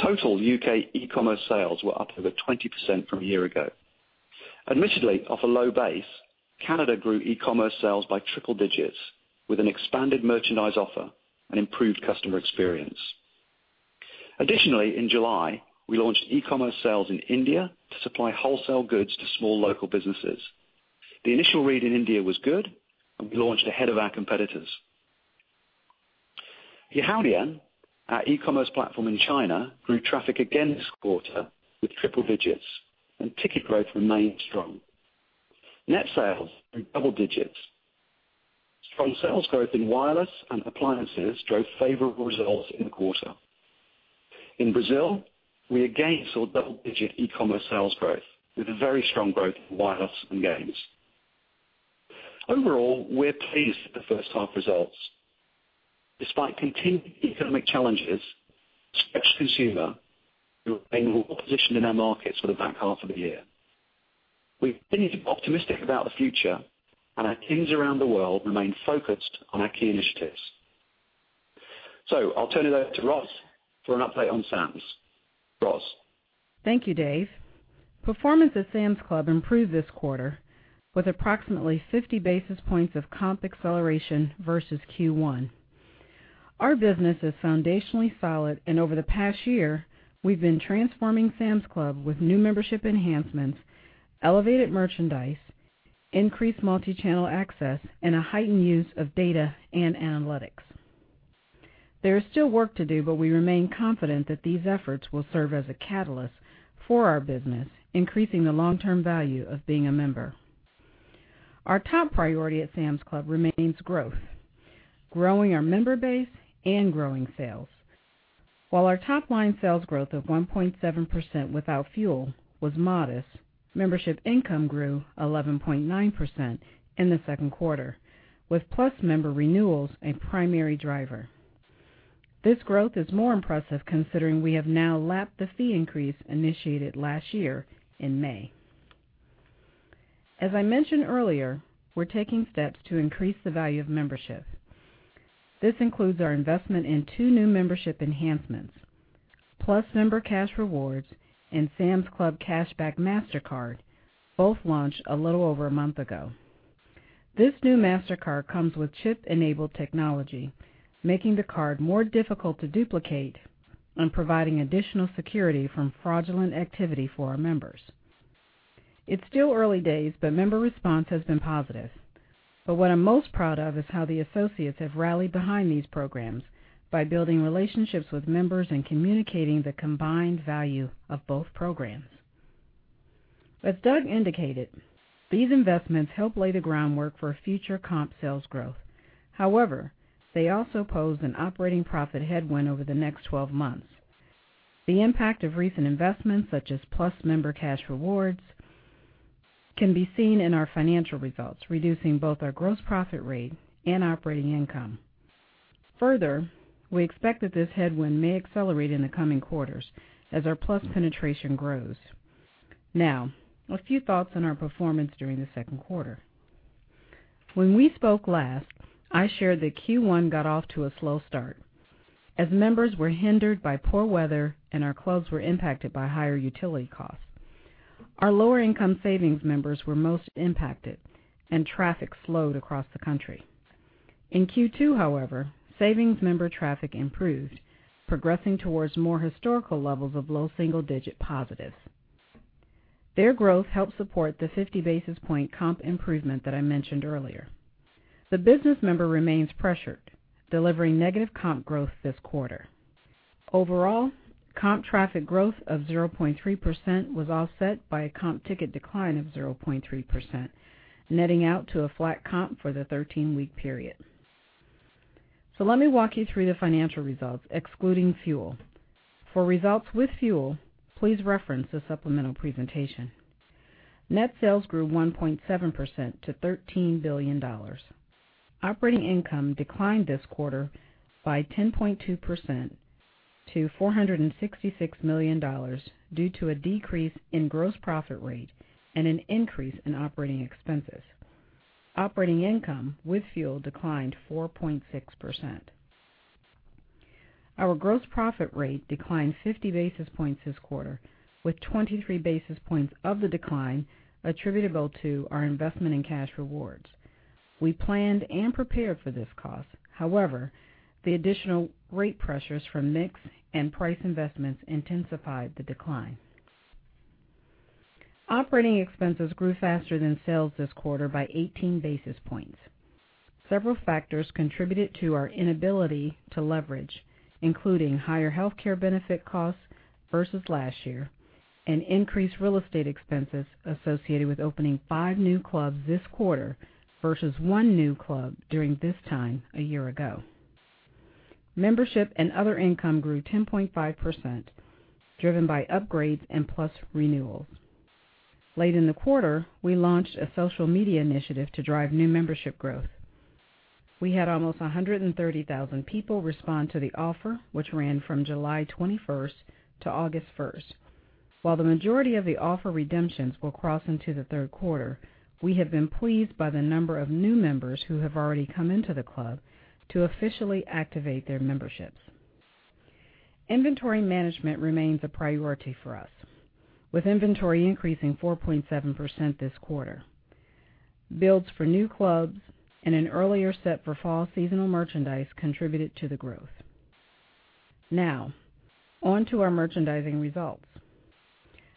Total U.K. e-commerce sales were up over 20% from a year ago. Admittedly, off a low base, Canada grew e-commerce sales by triple digits with an expanded merchandise offer and improved customer experience. Additionally, in July, we launched e-commerce sales in India to supply wholesale goods to small local businesses. The initial read in India was good, and we launched ahead of our competitors. Yihaodian, our e-commerce platform in China, grew traffic again this quarter with triple digits, and ticket growth remained strong. Net sales grew double digits. Strong sales growth in wireless and appliances drove favorable results in the quarter. In Brazil, we again saw double-digit e-commerce sales growth, with a very strong growth in wireless and games. Overall, we're pleased with the first half results. Despite continued economic challenges, stretched consumer, we remain well-positioned in our markets for the back half of the year. We continue to be optimistic about the future, and our teams around the world remain focused on our key initiatives. I'll turn it over to Roz for an update on Sam's. Roz? Thank you, Dave. Performance at Sam's Club improved this quarter, with approximately 50 basis points of comp acceleration versus Q1. Our business is foundationally solid, and over the past year, we've been transforming Sam's Club with new membership enhancements, elevated merchandise, increased multi-channel access, and a heightened use of data and analytics. There is still work to do, but we remain confident that these efforts will serve as a catalyst for our business, increasing the long-term value of being a member. Our top priority at Sam's Club remains growth, growing our member base and growing sales. While our top-line sales growth of 1.7% without fuel was modest, membership income grew 11.9% in the second quarter, with Plus member renewals a primary driver. This growth is more impressive considering we have now lapped the fee increase initiated last year in May. As I mentioned earlier, we're taking steps to increase the value of membership. This includes our investment in two new membership enhancements, Plus Member Cash Rewards and Sam's Club Cashback Mastercard, both launched a little over a month ago. This new Mastercard comes with chip-enabled technology, making the card more difficult to duplicate and providing additional security from fraudulent activity for our members. It's still early days, but member response has been positive, but what I'm most proud of is how the associates have rallied behind these programs by building relationships with members and communicating the combined value of both programs. As Doug indicated, these investments help lay the groundwork for future comp sales growth. However, they also pose an operating profit headwind over the next 12 months. The impact of recent investments, such as Plus Member Cash Rewards, can be seen in our financial results, reducing both our gross profit rate and operating income. We expect that this headwind may accelerate in the coming quarters as our Plus penetration grows. A few thoughts on our performance during the second quarter. When we spoke last, I shared that Q1 got off to a slow start, as members were hindered by poor weather and our clubs were impacted by higher utility costs. Our lower-income Savings members were most impacted, and traffic slowed across the country. In Q2, however, Savings member traffic improved, progressing towards more historical levels of low single-digit positives. Their growth helped support the 50 basis point comp improvement that I mentioned earlier. The business member remains pressured, delivering negative comp growth this quarter. Comp traffic growth of 0.3% was offset by a comp ticket decline of 0.3%, netting out to a flat comp for the 13-week period. Let me walk you through the financial results, excluding fuel. For results with fuel, please reference the supplemental presentation. Net sales grew 1.7% to $13 billion. Operating income declined this quarter by 10.2% to $466 million due to a decrease in gross profit rate and an increase in operating expenses. Operating income with fuel declined 4.6%. Our gross profit rate declined 50 basis points this quarter, with 23 basis points of the decline attributable to our investment in cash rewards. We planned and prepared for this cost. The additional rate pressures from mix and price investments intensified the decline. Operating expenses grew faster than sales this quarter by 18 basis points. Several factors contributed to our inability to leverage, including higher healthcare benefit costs versus last year and increased real estate expenses associated with opening five new clubs this quarter versus one new club during this time a year ago. Membership and other income grew 10.5%, driven by upgrades and Plus renewals. Late in the quarter, we launched a social media initiative to drive new membership growth. We had almost 130,000 people respond to the offer, which ran from July 21st to August 1st. While the majority of the offer redemptions will cross into the third quarter, we have been pleased by the number of new members who have already come into the club to officially activate their memberships. Inventory management remains a priority for us, with inventory increasing 4.7% this quarter. Builds for new clubs and an earlier set for fall seasonal merchandise contributed to the growth. On to our merchandising results.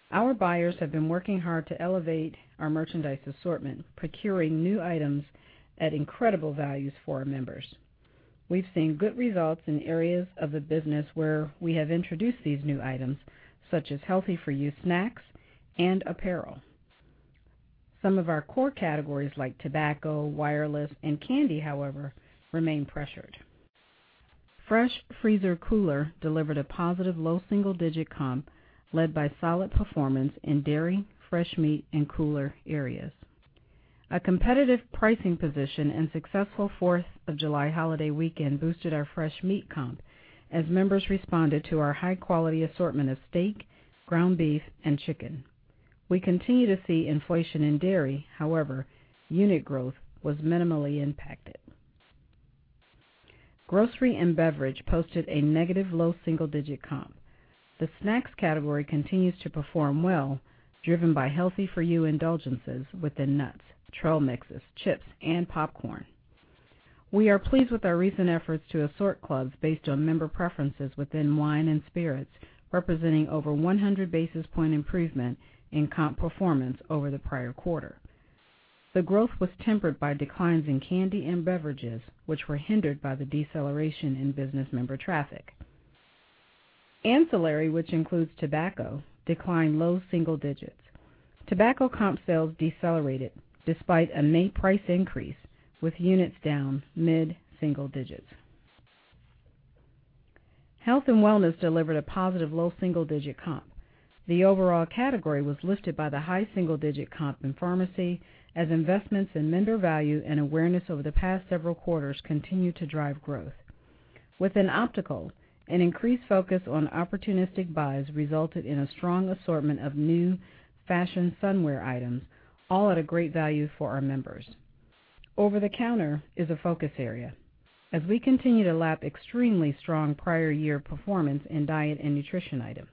Our buyers have been working hard to elevate our merchandise assortment, procuring new items at incredible values for our members. We have seen good results in areas of the business where we have introduced these new items, such as healthy-for-you snacks and apparel. Some of our core categories like tobacco, wireless, and candy remain pressured. Fresh Freezer Cooler delivered a positive low single-digit comp, led by solid performance in dairy, fresh meat, and cooler areas. A competitive pricing position and successful Fourth of July holiday weekend boosted our fresh meat comp as members responded to our high-quality assortment of steak, ground beef, and chicken. We continue to see inflation in dairy, unit growth was minimally impacted. Grocery and Beverage posted a negative low single-digit comp. The snacks category continues to perform well, driven by healthy-for-you indulgences within nuts, trail mixes, chips, and popcorn. We are pleased with our recent efforts to assort clubs based on member preferences within wine and spirits, representing over 100 basis point improvement in comp performance over the prior quarter. The growth was tempered by declines in candy and beverages, which were hindered by the deceleration in business member traffic. Ancillary, which includes tobacco, declined low single digits. Tobacco comp sales decelerated despite a May price increase, with units down mid-single digits. Health and wellness delivered a positive low single-digit comp. The overall category was lifted by the high single-digit comp in pharmacy as investments in member value and awareness over the past several quarters continue to drive growth. Within optical, an increased focus on opportunistic buys resulted in a strong assortment of new fashion sunwear items, all at a great value for our members. Over-the-counter is a focus area as we continue to lap extremely strong prior year performance in diet and nutrition items.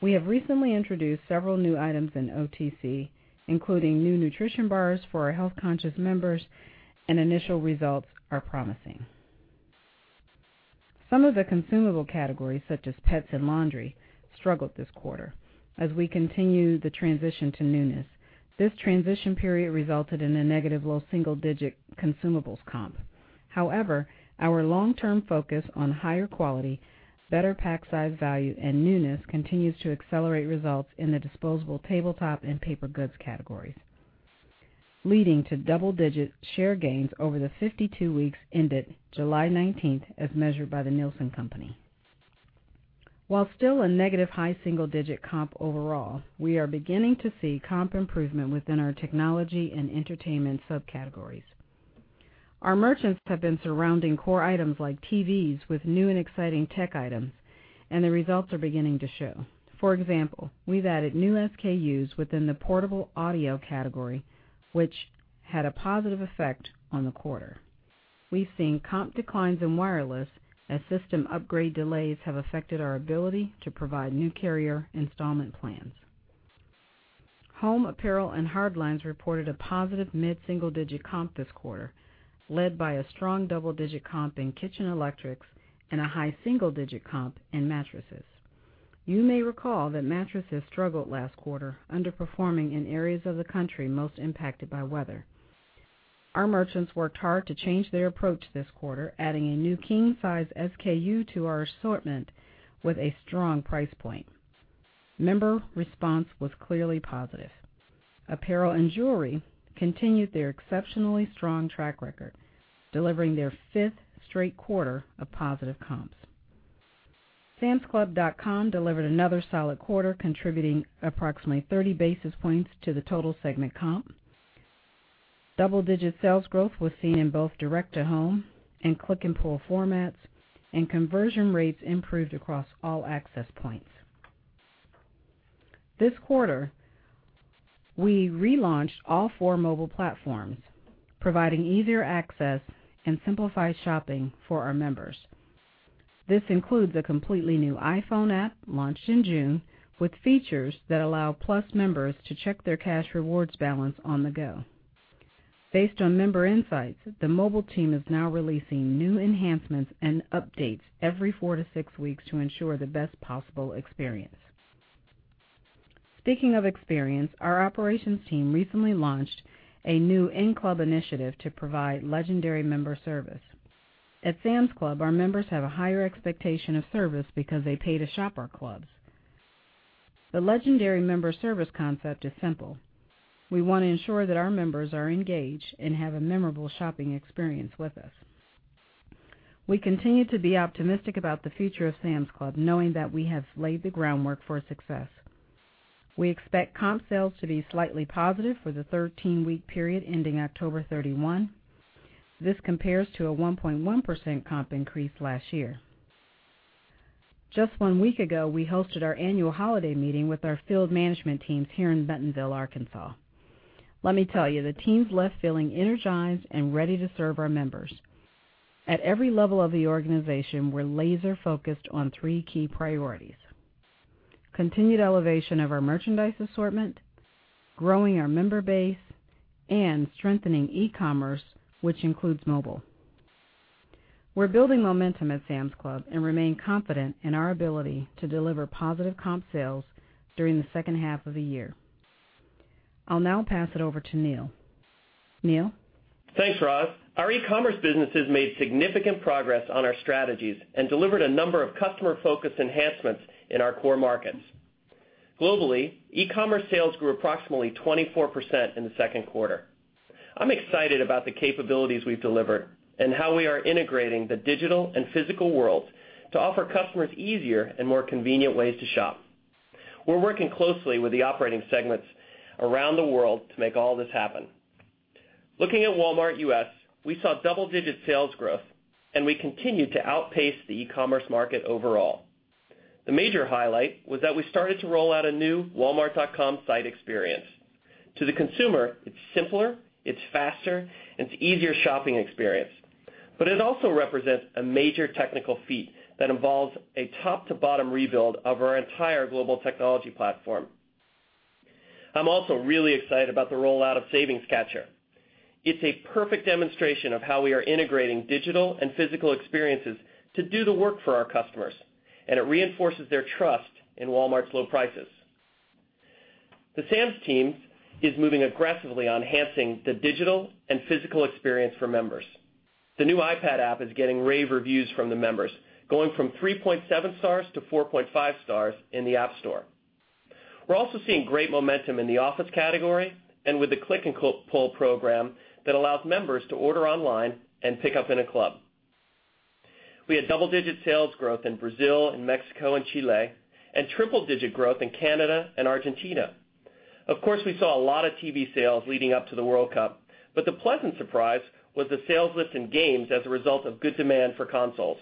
We have recently introduced several new items in OTC, including new nutrition bars for our health-conscious members, and initial results are promising. Some of the consumable categories, such as pets and laundry, struggled this quarter as we continue the transition to newness. This transition period resulted in a negative low single-digit consumables comp. However, our long-term focus on higher quality, better pack size value, and newness continues to accelerate results in the disposable tabletop and paper goods categories, leading to double-digit share gains over the 52 weeks ended July 19th, as measured by The Nielsen Company. While still a negative high single-digit comp overall, we are beginning to see comp improvement within our technology and entertainment subcategories. Our merchants have been surrounding core items like TVs with new and exciting tech items, and the results are beginning to show. For example, we've added new SKUs within the portable audio category, which had a positive effect on the quarter. We've seen comp declines in wireless as system upgrade delays have affected our ability to provide new carrier installment plans. Home apparel and hard lines reported a positive mid-single digit comp this quarter, led by a strong double-digit comp in kitchen electrics and a high single-digit comp in mattresses. You may recall that mattresses struggled last quarter, underperforming in areas of the country most impacted by weather. Our merchants worked hard to change their approach this quarter, adding a new king size SKU to our assortment with a strong price point. Member response was clearly positive. Apparel and jewelry continued their exceptionally strong track record, delivering their fifth straight quarter of positive comps. Samsclub.com delivered another solid quarter, contributing approximately 30 basis points to the total segment comp. Double-digit sales growth was seen in both direct-to-home and click-and-pull formats, and conversion rates improved across all access points. This quarter, we relaunched all four mobile platforms, providing easier access and simplified shopping for our members. This includes a completely new iPhone app launched in June with features that allow Plus members to check their Cash Rewards balance on the go. Based on member insights, the mobile team is now releasing new enhancements and updates every four to six weeks to ensure the best possible experience. Speaking of experience, our operations team recently launched a new in-club initiative to provide legendary member service. At Sam's Club, our members have a higher expectation of service because they pay to shop our clubs. The legendary member service concept is simple. We want to ensure that our members are engaged and have a memorable shopping experience with us. We continue to be optimistic about the future of Sam's Club, knowing that we have laid the groundwork for success. We expect comp sales to be slightly positive for the 13-week period ending October 31. This compares to a 1.1% comp increase last year. Just one week ago, we hosted our annual holiday meeting with our field management teams here in Bentonville, Arkansas. Let me tell you, the teams left feeling energized and ready to serve our members. At every level of the organization, we're laser-focused on three key priorities: continued elevation of our merchandise assortment, growing our member base, and strengthening e-commerce, which includes mobile. We're building momentum at Sam's Club and remain confident in our ability to deliver positive comp sales during the second half of the year. I'll now pass it over to Neil. Neil? Thanks, Roz. Our e-commerce businesses made significant progress on our strategies and delivered a number of customer-focused enhancements in our core markets. Globally, e-commerce sales grew approximately 24% in the second quarter. I'm excited about the capabilities we've delivered and how we are integrating the digital and physical world to offer customers easier and more convenient ways to shop. We're working closely with the operating segments around the world to make all this happen. Looking at Walmart U.S., we saw double-digit sales growth, and we continued to outpace the e-commerce market overall. The major highlight was that we started to roll out a new walmart.com site experience. To the consumer, it's simpler, it's faster, and it's easier shopping experience. It also represents a major technical feat that involves a top-to-bottom rebuild of our entire global technology platform. I'm also really excited about the rollout of Savings Catcher. It's a perfect demonstration of how we are integrating digital and physical experiences to do the work for our customers, and it reinforces their trust in Walmart's low prices. The Sam's team is moving aggressively on enhancing the digital and physical experience for members. The new iPad app is getting rave reviews from the members, going from 3.7 stars to 4.5 stars in the App Store. We're also seeing great momentum in the office category and with the click-and-pull program that allows members to order online and pick up in a club. We had double-digit sales growth in Brazil and Mexico and Chile, and triple-digit growth in Canada and Argentina. Of course, we saw a lot of TV sales leading up to the World Cup. The pleasant surprise was the sales lift in games as a result of good demand for consoles.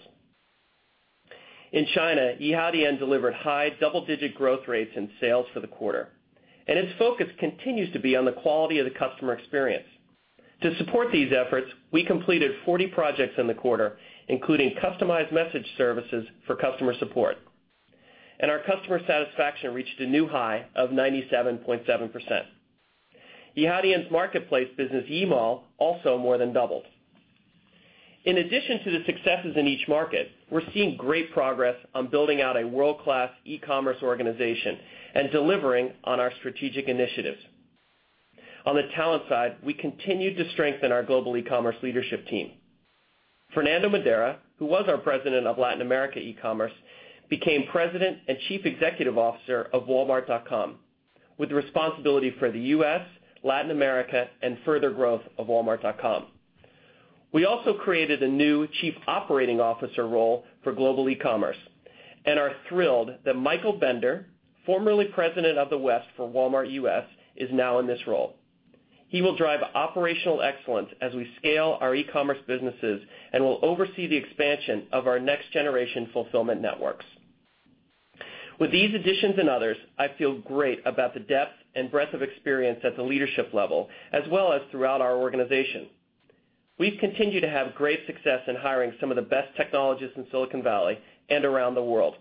In China, Yihaodian delivered high double-digit growth rates in sales for the quarter, its focus continues to be on the quality of the customer experience. To support these efforts, we completed 40 projects in the quarter, including customized message services for customer support, our customer satisfaction reached a new high of 97.7%. Yihaodian's marketplace business, eMall, also more than doubled. In addition to the successes in each market, we're seeing great progress on building out a world-class e-commerce organization and delivering on our strategic initiatives. On the talent side, we continued to strengthen our Global eCommerce leadership team. Fernando Madeira, who was our president of Latin America e-commerce, became President and Chief Executive Officer of walmart.com, with responsibility for the U.S., Latin America, and further growth of walmart.com. We also created a new chief operating officer role for Global eCommerce and are thrilled that Michael Bender, formerly president of the West for Walmart U.S., is now in this role. He will drive operational excellence as we scale our e-commerce businesses and will oversee the expansion of our next-generation fulfillment networks. With these additions and others, I feel great about the depth and breadth of experience at the leadership level, as well as throughout our organization. We've continued to have great success in hiring some of the best technologists in Silicon Valley and around the world,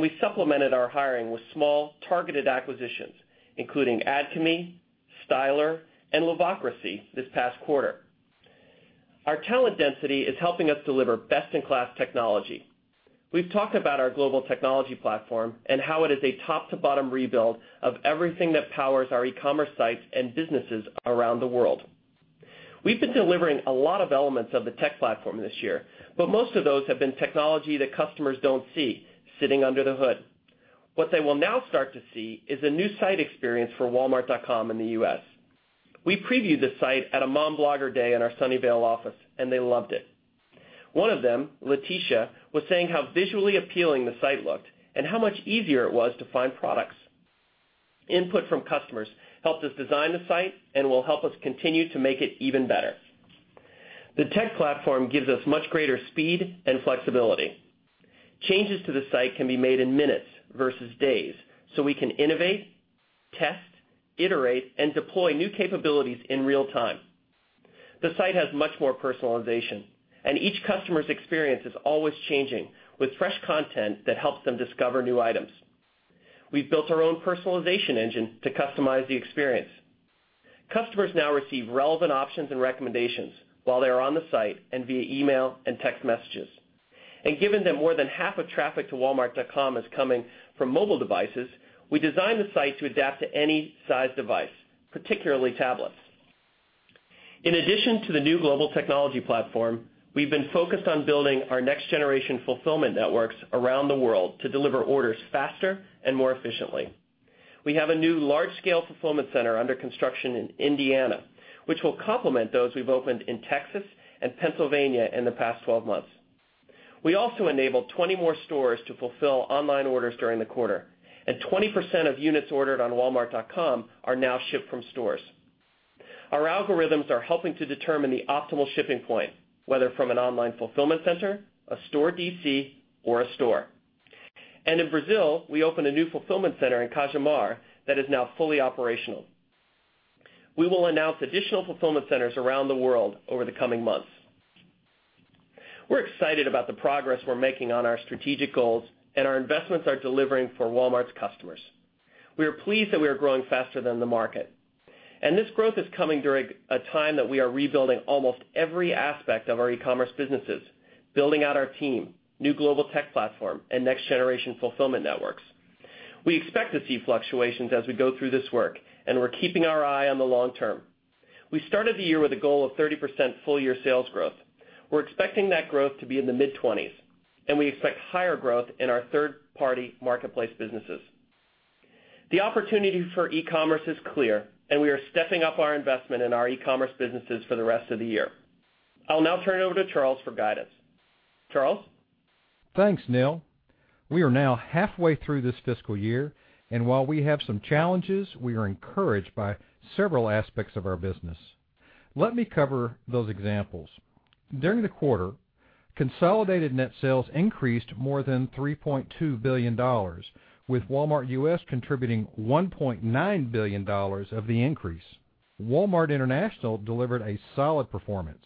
we supplemented our hiring with small, targeted acquisitions, including Adchemy, Stylr, and Luvocracy this past quarter. Our talent density is helping us deliver best-in-class technology. We've talked about our global technology platform and how it is a top-to-bottom rebuild of everything that powers our e-commerce sites and businesses around the world. We've been delivering a lot of elements of the tech platform this year, but most of those have been technology that customers don't see sitting under the hood. What they will now start to see is a new site experience for walmart.com in the U.S. We previewed the site at a mom blogger day in our Sunnyvale office, and they loved it. One of them, Leticia, was saying how visually appealing the site looked and how much easier it was to find products. Input from customers helped us design the site and will help us continue to make it even better. The tech platform gives us much greater speed and flexibility. Changes to the site can be made in minutes versus days, so we can innovate, test, iterate, and deploy new capabilities in real time. The site has much more personalization, each customer's experience is always changing, with fresh content that helps them discover new items. We've built our own personalization engine to customize the experience. Customers now receive relevant options and recommendations while they are on the site and via email and text messages. Given that more than half of traffic to walmart.com is coming from mobile devices, we designed the site to adapt to any size device, particularly tablets. In addition to the new global technology platform, we've been focused on building our next-generation fulfillment networks around the world to deliver orders faster and more efficiently. We have a new large-scale fulfillment center under construction in Indiana, which will complement those we've opened in Texas and Pennsylvania in the past 12 months. We also enabled 20 more stores to fulfill online orders during the quarter, 20% of units ordered on walmart.com are now shipped from stores. Our algorithms are helping to determine the optimal shipping point, whether from an online fulfillment center, a store DC, or a store. In Brazil, we opened a new fulfillment center in Cajamar that is now fully operational. We will announce additional fulfillment centers around the world over the coming months. We're excited about the progress we're making on our strategic goals, our investments are delivering for Walmart's customers. We are pleased that we are growing faster than the market, this growth is coming during a time that we are rebuilding almost every aspect of our e-commerce businesses, building out our team, new global tech platform, and next-generation fulfillment networks. We expect to see fluctuations as we go through this work, we're keeping our eye on the long term. We started the year with a goal of 30% full-year sales growth. We're expecting that growth to be in the mid-20s, we expect higher growth in our third-party marketplace businesses. The opportunity for e-commerce is clear, we are stepping up our investment in our e-commerce businesses for the rest of the year. I'll now turn it over to Charles for guidance. Charles? Thanks, Neil. We are now halfway through this fiscal year, while we have some challenges, we are encouraged by several aspects of our business. Let me cover those examples. During the quarter, consolidated net sales increased more than $3.2 billion, with Walmart U.S. contributing $1.9 billion of the increase. Walmart International delivered a solid performance,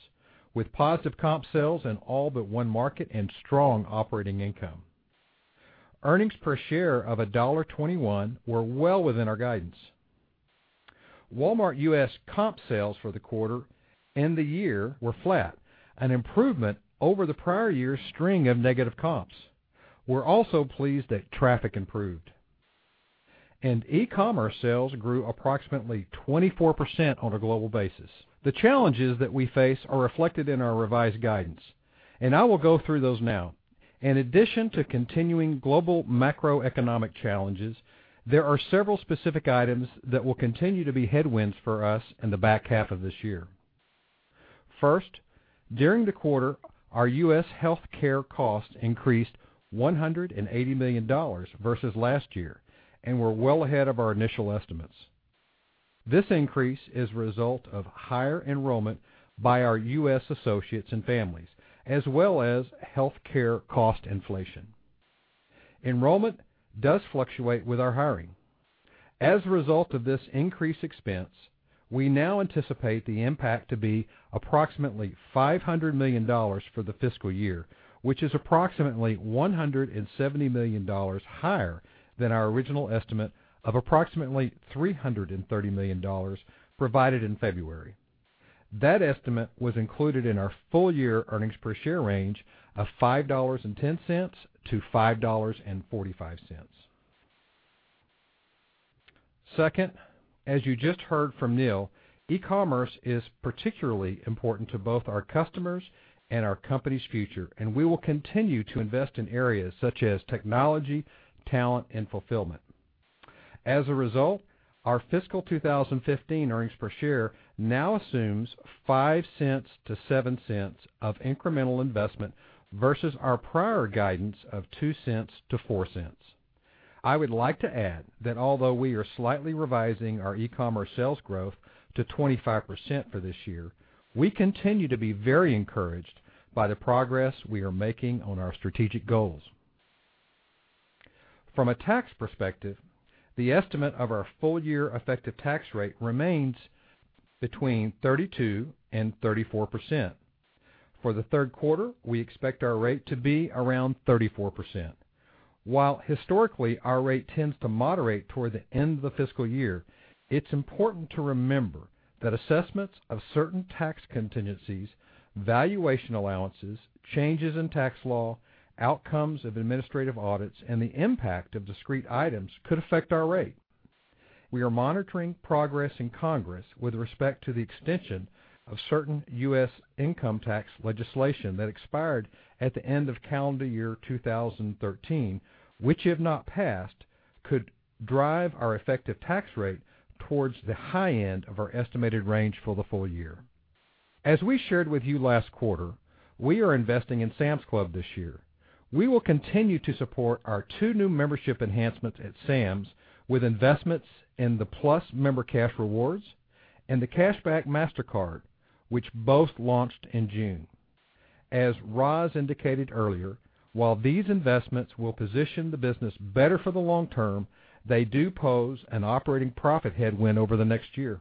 with positive comp sales in all but one market and strong operating income. Earnings per share of $1.21 were well within our guidance. Walmart U.S. comp sales for the quarter and the year were flat, an improvement over the prior year's string of negative comps. We're also pleased that traffic improved, e-commerce sales grew approximately 24% on a global basis. The challenges that we face are reflected in our revised guidance, I will go through those now. In addition to continuing global macroeconomic challenges, there are several specific items that will continue to be headwinds for us in the back half of this year. First, during the quarter, our U.S. healthcare costs increased $180 million versus last year, we're well ahead of our initial estimates. This increase is a result of higher enrollment by our U.S. associates and families, as well as healthcare cost inflation. Enrollment does fluctuate with our hiring. As a result of this increased expense, we now anticipate the impact to be approximately $500 million for the fiscal year, which is approximately $170 million higher than our original estimate of approximately $330 million provided in February. That estimate was included in our full-year earnings per share range of $5.10-$5.45. Second, as you just heard from Neil, e-commerce is particularly important to both our customers and our company's future. We will continue to invest in areas such as technology, talent, and fulfillment. As a result, our fiscal 2015 EPS now assumes $0.05-$0.07 of incremental investment, versus our prior guidance of $0.02-$0.04. I would like to add that although we are slightly revising our e-commerce sales growth to 25% for this year, we continue to be very encouraged by the progress we are making on our strategic goals. From a tax perspective, the estimate of our full-year effective tax rate remains between 32%-34%. For the third quarter, we expect our rate to be around 34%. While historically our rate tends to moderate toward the end of the fiscal year, it's important to remember that assessments of certain tax contingencies, valuation allowances, changes in tax law, outcomes of administrative audits, and the impact of discrete items could affect our rate. We are monitoring progress in Congress with respect to the extension of certain U.S. income tax legislation that expired at the end of calendar year 2013, which, if not passed, could drive our effective tax rate towards the high end of our estimated range for the full year. As we shared with you last quarter, we are investing in Sam's Club this year. We will continue to support our two new membership enhancements at Sam's with investments in the Plus Member Cash Rewards and the Cashback Mastercard, which both launched in June. As Roz indicated earlier, while these investments will position the business better for the long term, they do pose an operating profit headwind over the next year.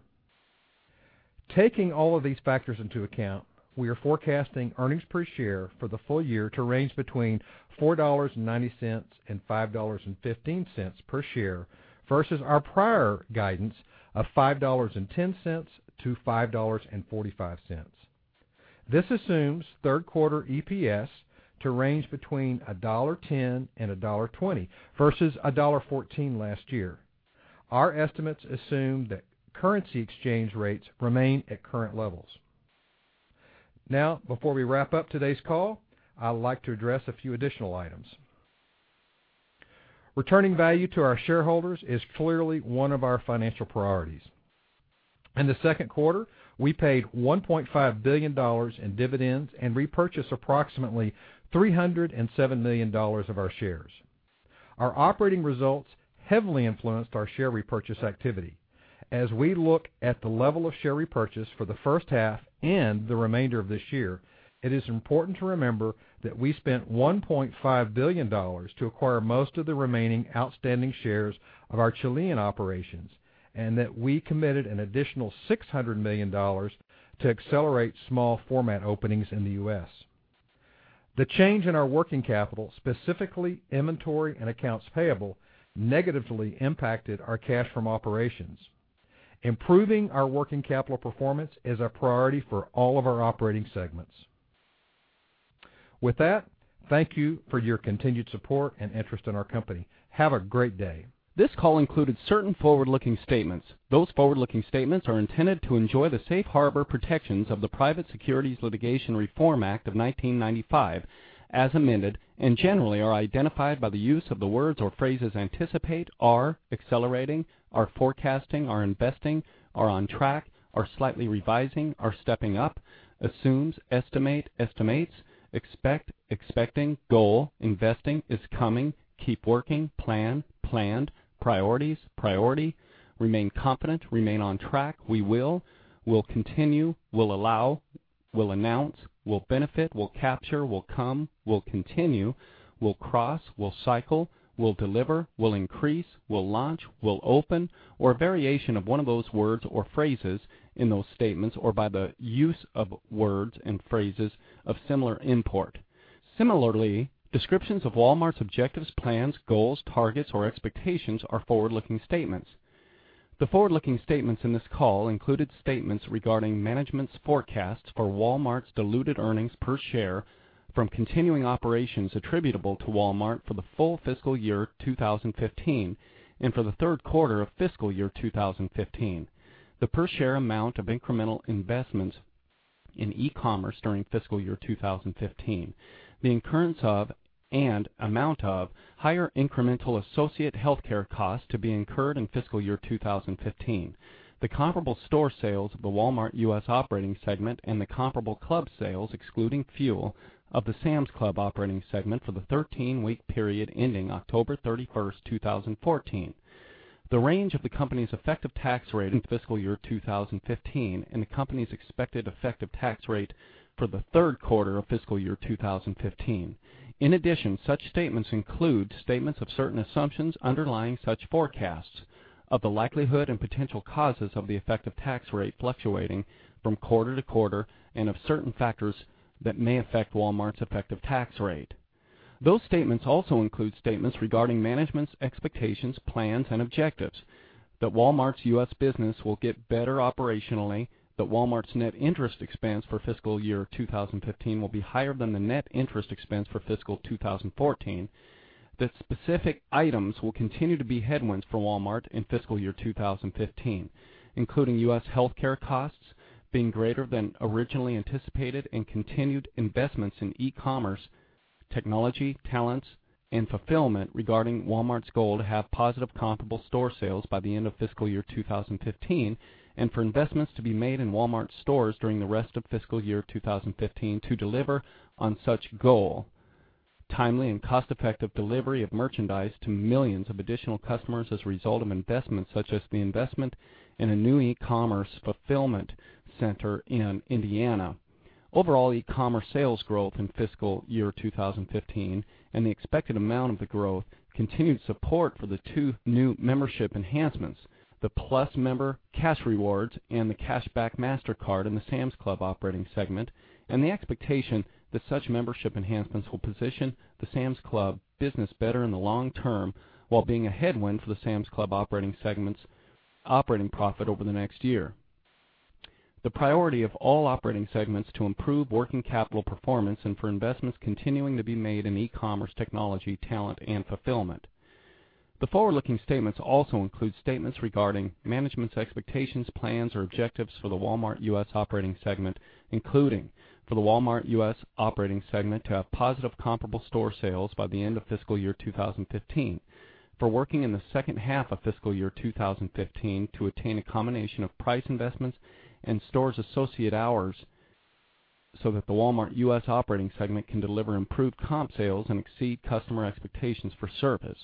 Taking all of these factors into account, we are forecasting EPS for the full year to range between $4.90-$5.15 per share, versus our prior guidance of $5.10-$5.45. This assumes third quarter EPS to range between $1.10-$1.20 versus $1.14 last year. Our estimates assume that currency exchange rates remain at current levels. Now, before we wrap up today's call, I'd like to address a few additional items. Returning value to our shareholders is clearly one of our financial priorities. In the second quarter, we paid $1.5 billion in dividends and repurchased approximately $307 million of our shares. Our operating results heavily influenced our share repurchase activity. As we look at the level of share repurchase for the first half and the remainder of this year, it is important to remember that we spent $1.5 billion to acquire most of the remaining outstanding shares of our Chilean operations, and that we committed an additional $600 million to accelerate small format openings in the U.S. The change in our working capital, specifically inventory and accounts payable, negatively impacted our cash from operations. Improving our working capital performance is a priority for all of our operating segments. With that, thank you for your continued support and interest in our company. Have a great day. This call included certain forward-looking statements. Those forward-looking statements are intended to enjoy the safe harbor protections of the Private Securities Litigation Reform Act of 1995 as amended and generally are identified by the use of the words or phrases anticipate, are, accelerating, are forecasting, are investing, are on track, are slightly revising, are stepping up, assumes, estimate, estimates, expect, expecting, goal, investing, is coming, keep working, plan, planned, priorities, priority, remain confident, remain on track, we will continue, will allow, will announce, will benefit, will capture, will come, will continue, will cross, will cycle, will deliver, will increase, will launch, will open, or a variation of one of those words or phrases in those statements or by the use of words and phrases of similar import. Similarly, descriptions of Walmart's objectives, plans, goals, targets, or expectations are forward-looking statements. The forward-looking statements in this call included statements regarding management's forecasts for Walmart's diluted earnings per share from continuing operations attributable to Walmart for the full fiscal year 2015 and for the third quarter of fiscal year 2015, the per share amount of incremental investments in e-commerce during fiscal year 2015, the incurrence of and amount of higher incremental associate healthcare costs to be incurred in fiscal year 2015, the comparable store sales of the Walmart U.S. operating segment, and the comparable club sales excluding fuel of the Sam's Club operating segment for the 13-week period ending October 31st, 2014. The range of the company's effective tax rate in fiscal year 2015 and the company's expected effective tax rate for the third quarter of fiscal year 2015. In addition, such statements include statements of certain assumptions underlying such forecasts of the likelihood and potential causes of the effective tax rate fluctuating from quarter to quarter and of certain factors that may affect Walmart's effective tax rate. Those statements also include statements regarding management's expectations, plans, and objectives that Walmart's U.S. business will get better operationally, that Walmart's net interest expense for fiscal year 2015 will be higher than the net interest expense for fiscal 2014, that specific items will continue to be headwinds for Walmart in fiscal year 2015, including U.S. healthcare costs being greater than originally anticipated and continued investments in e-commerce, technology, talents, and fulfillment regarding Walmart's goal to have positive comparable store sales by the end of fiscal year 2015 and for investments to be made in Walmart stores during the rest of fiscal year 2015 to deliver on such goal. Timely and cost-effective delivery of merchandise to millions of additional customers as a result of investments such as the investment in a new e-commerce fulfillment center in Indiana. Overall e-commerce sales growth in fiscal year 2015 and the expected amount of the growth, continued support for the two new membership enhancements, the Plus Member Cash Rewards and the Cashback Mastercard in the Sam's Club operating segment, and the expectation that such membership enhancements will position the Sam's Club business better in the long term while being a headwind for the Sam's Club operating segment's operating profit over the next year. The priority of all operating segments to improve working capital performance and for investments continuing to be made in e-commerce, technology, talent, and fulfillment. The forward-looking statements also include statements regarding management's expectations, plans, or objectives for the Walmart U.S. operating segment, including for the Walmart U.S. operating segment to have positive comparable store sales by the end of fiscal year 2015, for working in the second half of fiscal year 2015 to attain a combination of price investments and stores associate hours so that the Walmart U.S. operating segment can deliver improved comp sales and exceed customer expectations for service.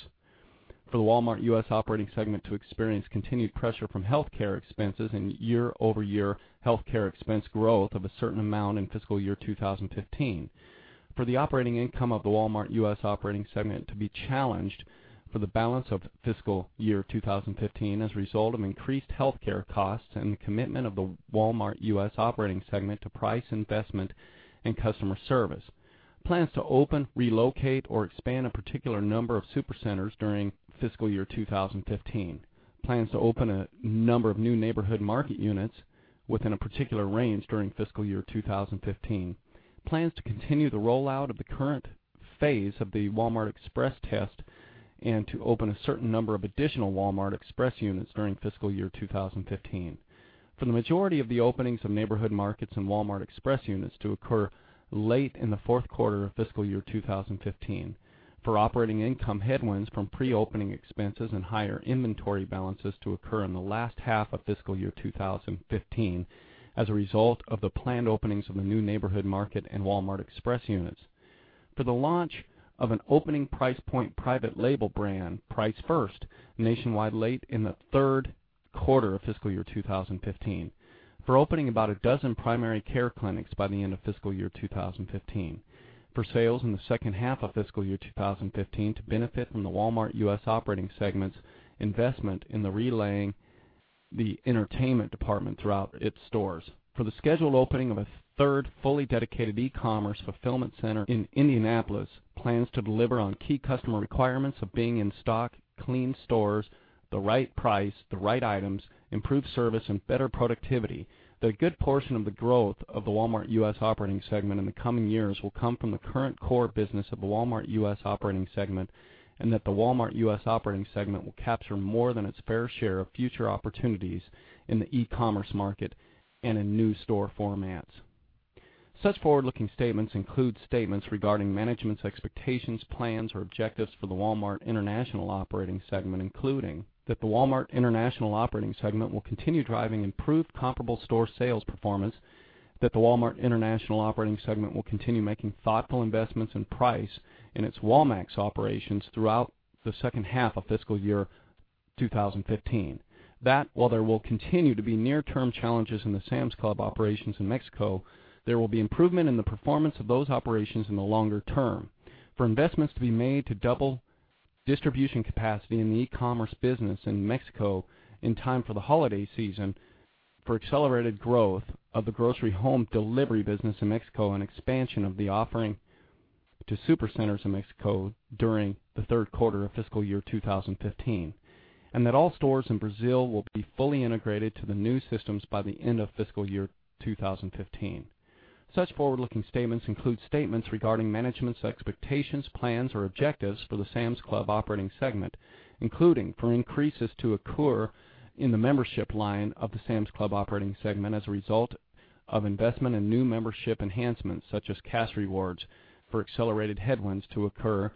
For the Walmart U.S. operating segment to experience continued pressure from healthcare expenses and year-over-year healthcare expense growth of a certain amount in fiscal year 2015. For the operating income of the Walmart U.S. operating segment to be challenged for the balance of fiscal year 2015 as a result of increased healthcare costs and the commitment of the Walmart U.S. operating segment to price investment and customer service. Plans to open, relocate, or expand a particular number of Supercenters during fiscal year 2015. Plans to open a number of new Neighborhood Market units within a particular range during fiscal year 2015. Plans to continue the rollout of the current phase of the Walmart Express test and to open a certain number of additional Walmart Express units during fiscal year 2015. For the majority of the openings of Neighborhood Markets and Walmart Express units to occur late in the fourth quarter of fiscal year 2015. For operating income headwinds from pre-opening expenses and higher inventory balances to occur in the last half of fiscal year 2015 as a result of the planned openings of the new Neighborhood Market and Walmart Express units. For the launch of an opening price point private label brand, Price First, nationwide late in the third quarter of fiscal year 2015. For opening about a dozen primary care clinics by the end of fiscal year 2015. For sales in the second half of fiscal year 2015 to benefit from the Walmart U.S. operating segment's investment in the relaying the entertainment department throughout its stores. For the scheduled opening of a third fully dedicated e-commerce fulfillment center in Indianapolis. Plans to deliver on key customer requirements of being in-stock clean stores, the right price, the right items, improved service, and better productivity. That a good portion of the growth of the Walmart U.S. operating segment in the coming years will come from the current core business of the Walmart U.S. operating segment, and that the Walmart U.S. operating segment will capture more than its fair share of future opportunities in the e-commerce market and in new store formats. Such forward-looking statements include statements regarding management's expectations, plans, or objectives for the Walmart International operating segment, including that the Walmart International operating segment will continue driving improved comparable store sales performance. That the Walmart International operating segment will continue making thoughtful investments in price in its Walmex operations throughout the second half of fiscal year 2015. That while there will continue to be near-term challenges in the Sam's Club operations in Mexico, there will be improvement in the performance of those operations in the longer term. For investments to be made to double distribution capacity in the e-commerce business in Mexico in time for the holiday season. For accelerated growth of the grocery home delivery business in Mexico and expansion of the offering to Supercenters in Mexico during the third quarter of fiscal year 2015. That all stores in Brazil will be fully integrated to the new systems by the end of fiscal year 2015. Such forward-looking statements include statements regarding management's expectations, plans, or objectives for the Sam's Club operating segment. Including for increases to occur in the membership line of the Sam's Club operating segment as a result of investment in new membership enhancements such as cash rewards. For accelerated headwinds to occur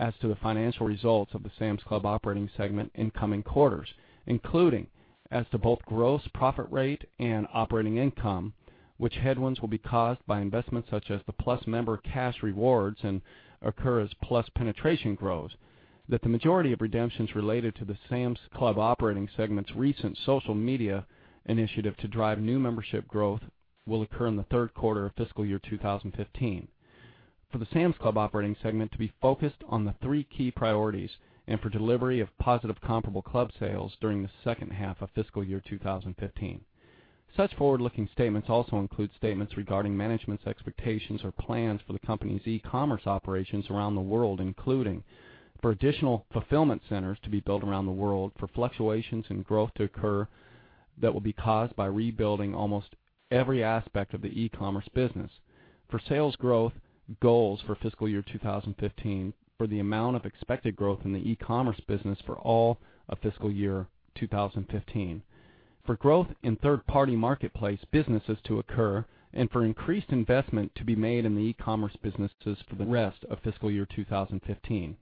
as to the financial results of the Sam's Club operating segment in coming quarters, including as to both gross profit rate and operating income. Which headwinds will be caused by investments such as the Plus Member Cash Rewards and occur as Plus penetration grows. That the majority of redemptions related to the Sam's Club operating segment's recent social media initiative to drive new membership growth will occur in the third quarter of fiscal year 2015. For the Sam's Club operating segment to be focused on the three key priorities and for delivery of positive comparable club sales during the second half of fiscal year 2015. Such forward-looking statements also include statements regarding management's expectations or plans for the company's e-commerce operations around the world, including for additional fulfillment centers to be built around the world. For fluctuations in growth to occur that will be caused by rebuilding almost every aspect of the e-commerce business. For sales growth goals for fiscal year 2015. For the amount of expected growth in the e-commerce business for all of fiscal year 2015. For growth in third-party marketplace businesses to occur and for increased investment to be made in the e-commerce businesses for the rest of fiscal year 2015.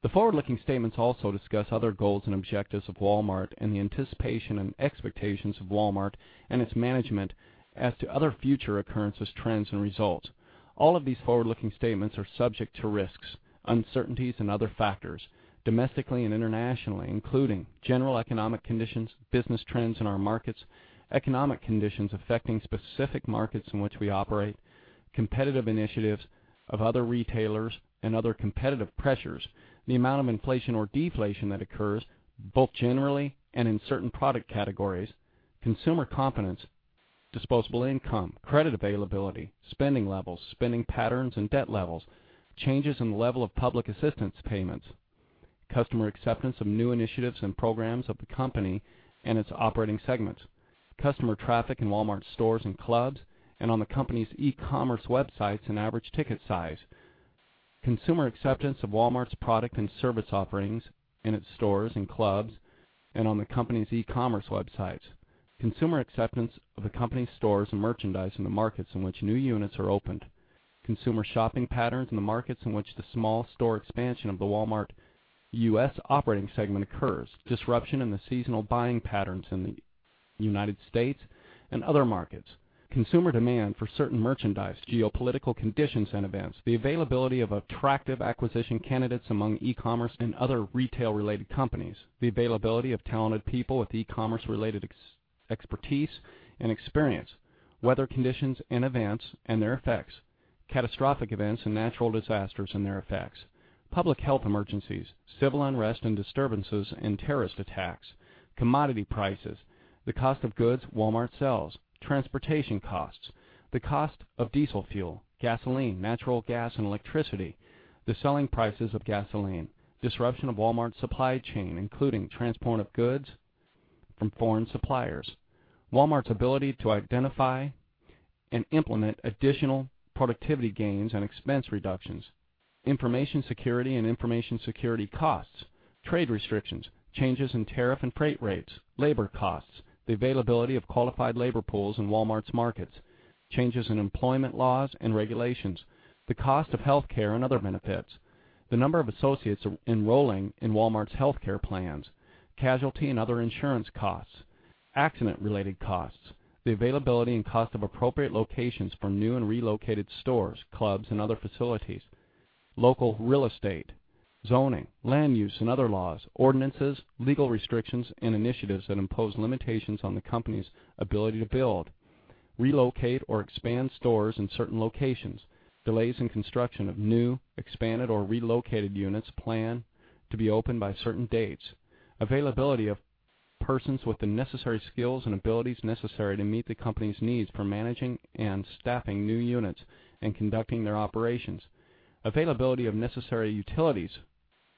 The forward-looking statements also discuss other goals and objectives of Walmart and the anticipation and expectations of Walmart and its management as to other future occurrences, trends, and results. All of these forward-looking statements are subject to risks, uncertainties, and other factors, domestically and internationally, including general economic conditions, business trends in our markets, economic conditions affecting specific markets in which we operate, competitive initiatives of other retailers and other competitive pressures, the amount of inflation or deflation that occurs both generally and in certain product categories, consumer confidence, disposable income, credit availability, spending levels, spending patterns and debt levels, changes in the level of public assistance payments, customer acceptance of new initiatives and programs of the company and its operating segments, customer traffic in Walmart stores and clubs and on the company's e-commerce websites and average ticket size, consumer acceptance of Walmart's product and service offerings in its stores and clubs and on the company's e-commerce websites, consumer acceptance of the company's stores and merchandise in the markets in which new units are opened, consumer shopping patterns in the markets in which the small store expansion of the Walmart U.S. operating segment occurs, disruption in the seasonal buying patterns in the United States and other markets, consumer demand for certain merchandise, geopolitical conditions and events, the availability of attractive acquisition candidates among e-commerce and other retail-related companies, the availability of talented people with e-commerce related expertise and experience, weather conditions and events and their effects, catastrophic events and natural disasters and their effects. Public health emergencies, civil unrest and disturbances and terrorist attacks. Commodity prices. The cost of goods Walmart sells. Transportation costs. The cost of diesel fuel, gasoline, natural gas, and electricity. The selling prices of gasoline. Disruption of Walmart's supply chain, including transport of goods from foreign suppliers. Walmart's ability to identify and implement additional productivity gains and expense reductions. Information security and information security costs. Trade restrictions. Changes in tariff and freight rates. Labor costs. The availability of qualified labor pools in Walmart's markets. Changes in employment laws and regulations. The cost of healthcare and other benefits. The number of associates enrolling in Walmart's healthcare plans. Casualty and other insurance costs. Accident-related costs. The availability and cost of appropriate locations for new and relocated stores, clubs, and other facilities. Local real estate. Zoning, land use, and other laws, ordinances, legal restrictions, and initiatives that impose limitations on the company's ability to build, relocate, or expand stores in certain locations. Delays in construction of new, expanded, or relocated units planned to be opened by certain dates. Availability of persons with the necessary skills and abilities necessary to meet the company's needs for managing and staffing new units and conducting their operations. Availability of necessary utilities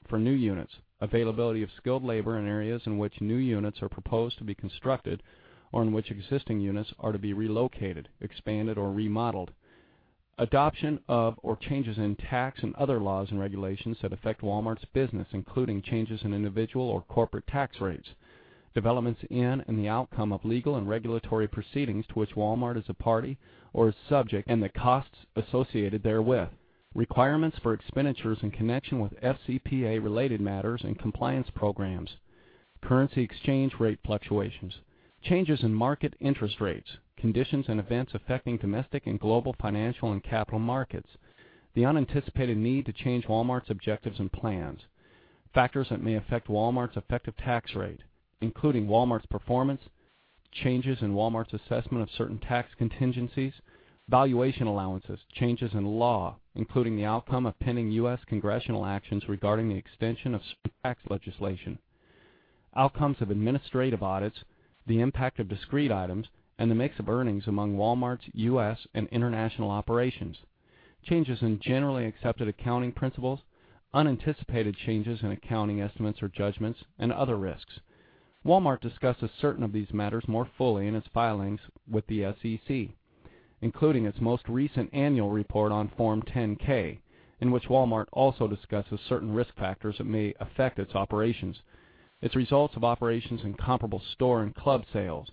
for new units. Availability of skilled labor in areas in which new units are proposed to be constructed or in which existing units are to be relocated, expanded, or remodeled. Adoption of, or changes in tax and other laws and regulations that affect Walmart's business, including changes in individual or corporate tax rates. Developments in and the outcome of legal and regulatory proceedings to which Walmart is a party or is subject and the costs associated therewith. Requirements for expenditures in connection with FCPA related matters and compliance programs. Currency exchange rate fluctuations. Changes in market interest rates. Conditions and events affecting domestic and global financial and capital markets. The unanticipated need to change Walmart's objectives and plans. Factors that may affect Walmart's effective tax rate, including Walmart's performance, changes in Walmart's assessment of certain tax contingencies, valuation allowances, changes in the law, including the outcome of pending U.S. congressional actions regarding the extension of tax legislation. Outcomes of administrative audits, the impact of discrete items, and the mix of earnings among Walmart's U.S. and international operations. Changes in generally accepted accounting principles, unanticipated changes in accounting estimates or judgments, and other risks. Walmart discusses certain of these matters more fully in its filings with the SEC, including its most recent annual report on Form 10-K, in which Walmart also discusses certain risk factors that may affect its operations. Its results of operations in comparable store and club sales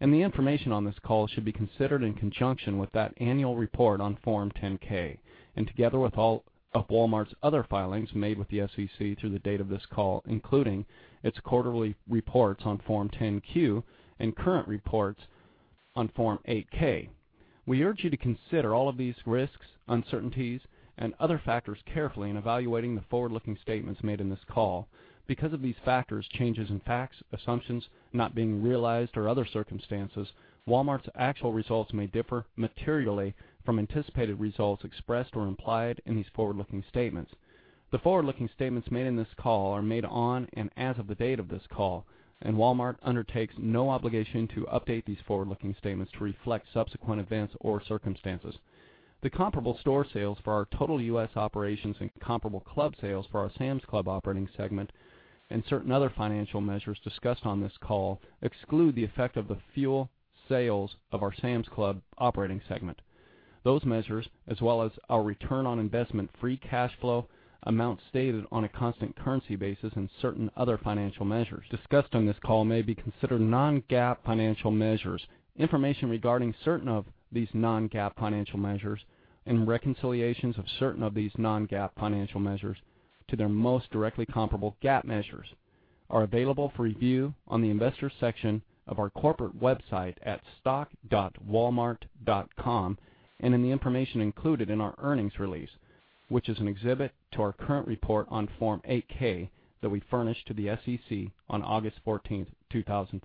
and the information on this call should be considered in conjunction with that annual report on Form 10-K and together with all of Walmart's other filings made with the SEC through the date of this call, including its quarterly reports on Form 10-Q and current reports on Form 8-K. We urge you to consider all of these risks, uncertainties, and other factors carefully in evaluating the forward-looking statements made in this call. Because of these factors, changes in facts, assumptions, not being realized or other circumstances, Walmart's actual results may differ materially from anticipated results expressed or implied in these forward-looking statements. The forward-looking statements made in this call are made on and as of the date of this call. Walmart undertakes no obligation to update these forward-looking statements to reflect subsequent events or circumstances. The comparable store sales for our total U.S. operations and comparable club sales for our Sam's Club operating segment and certain other financial measures discussed on this call exclude the effect of the fuel sales of our Sam's Club operating segment. Those measures, as well as our ROI free cash flow amounts stated on a constant currency basis and certain other financial measures discussed on this call may be considered non-GAAP financial measures. Information regarding certain of these non-GAAP financial measures and reconciliations of certain of these non-GAAP financial measures to their most directly comparable GAAP measures are available for review on the investor section of our corporate website at stock.walmart.com and in the information included in our earnings release, which is an exhibit to our current report on Form 8-K that we furnished to the SEC on August 14th, 2014.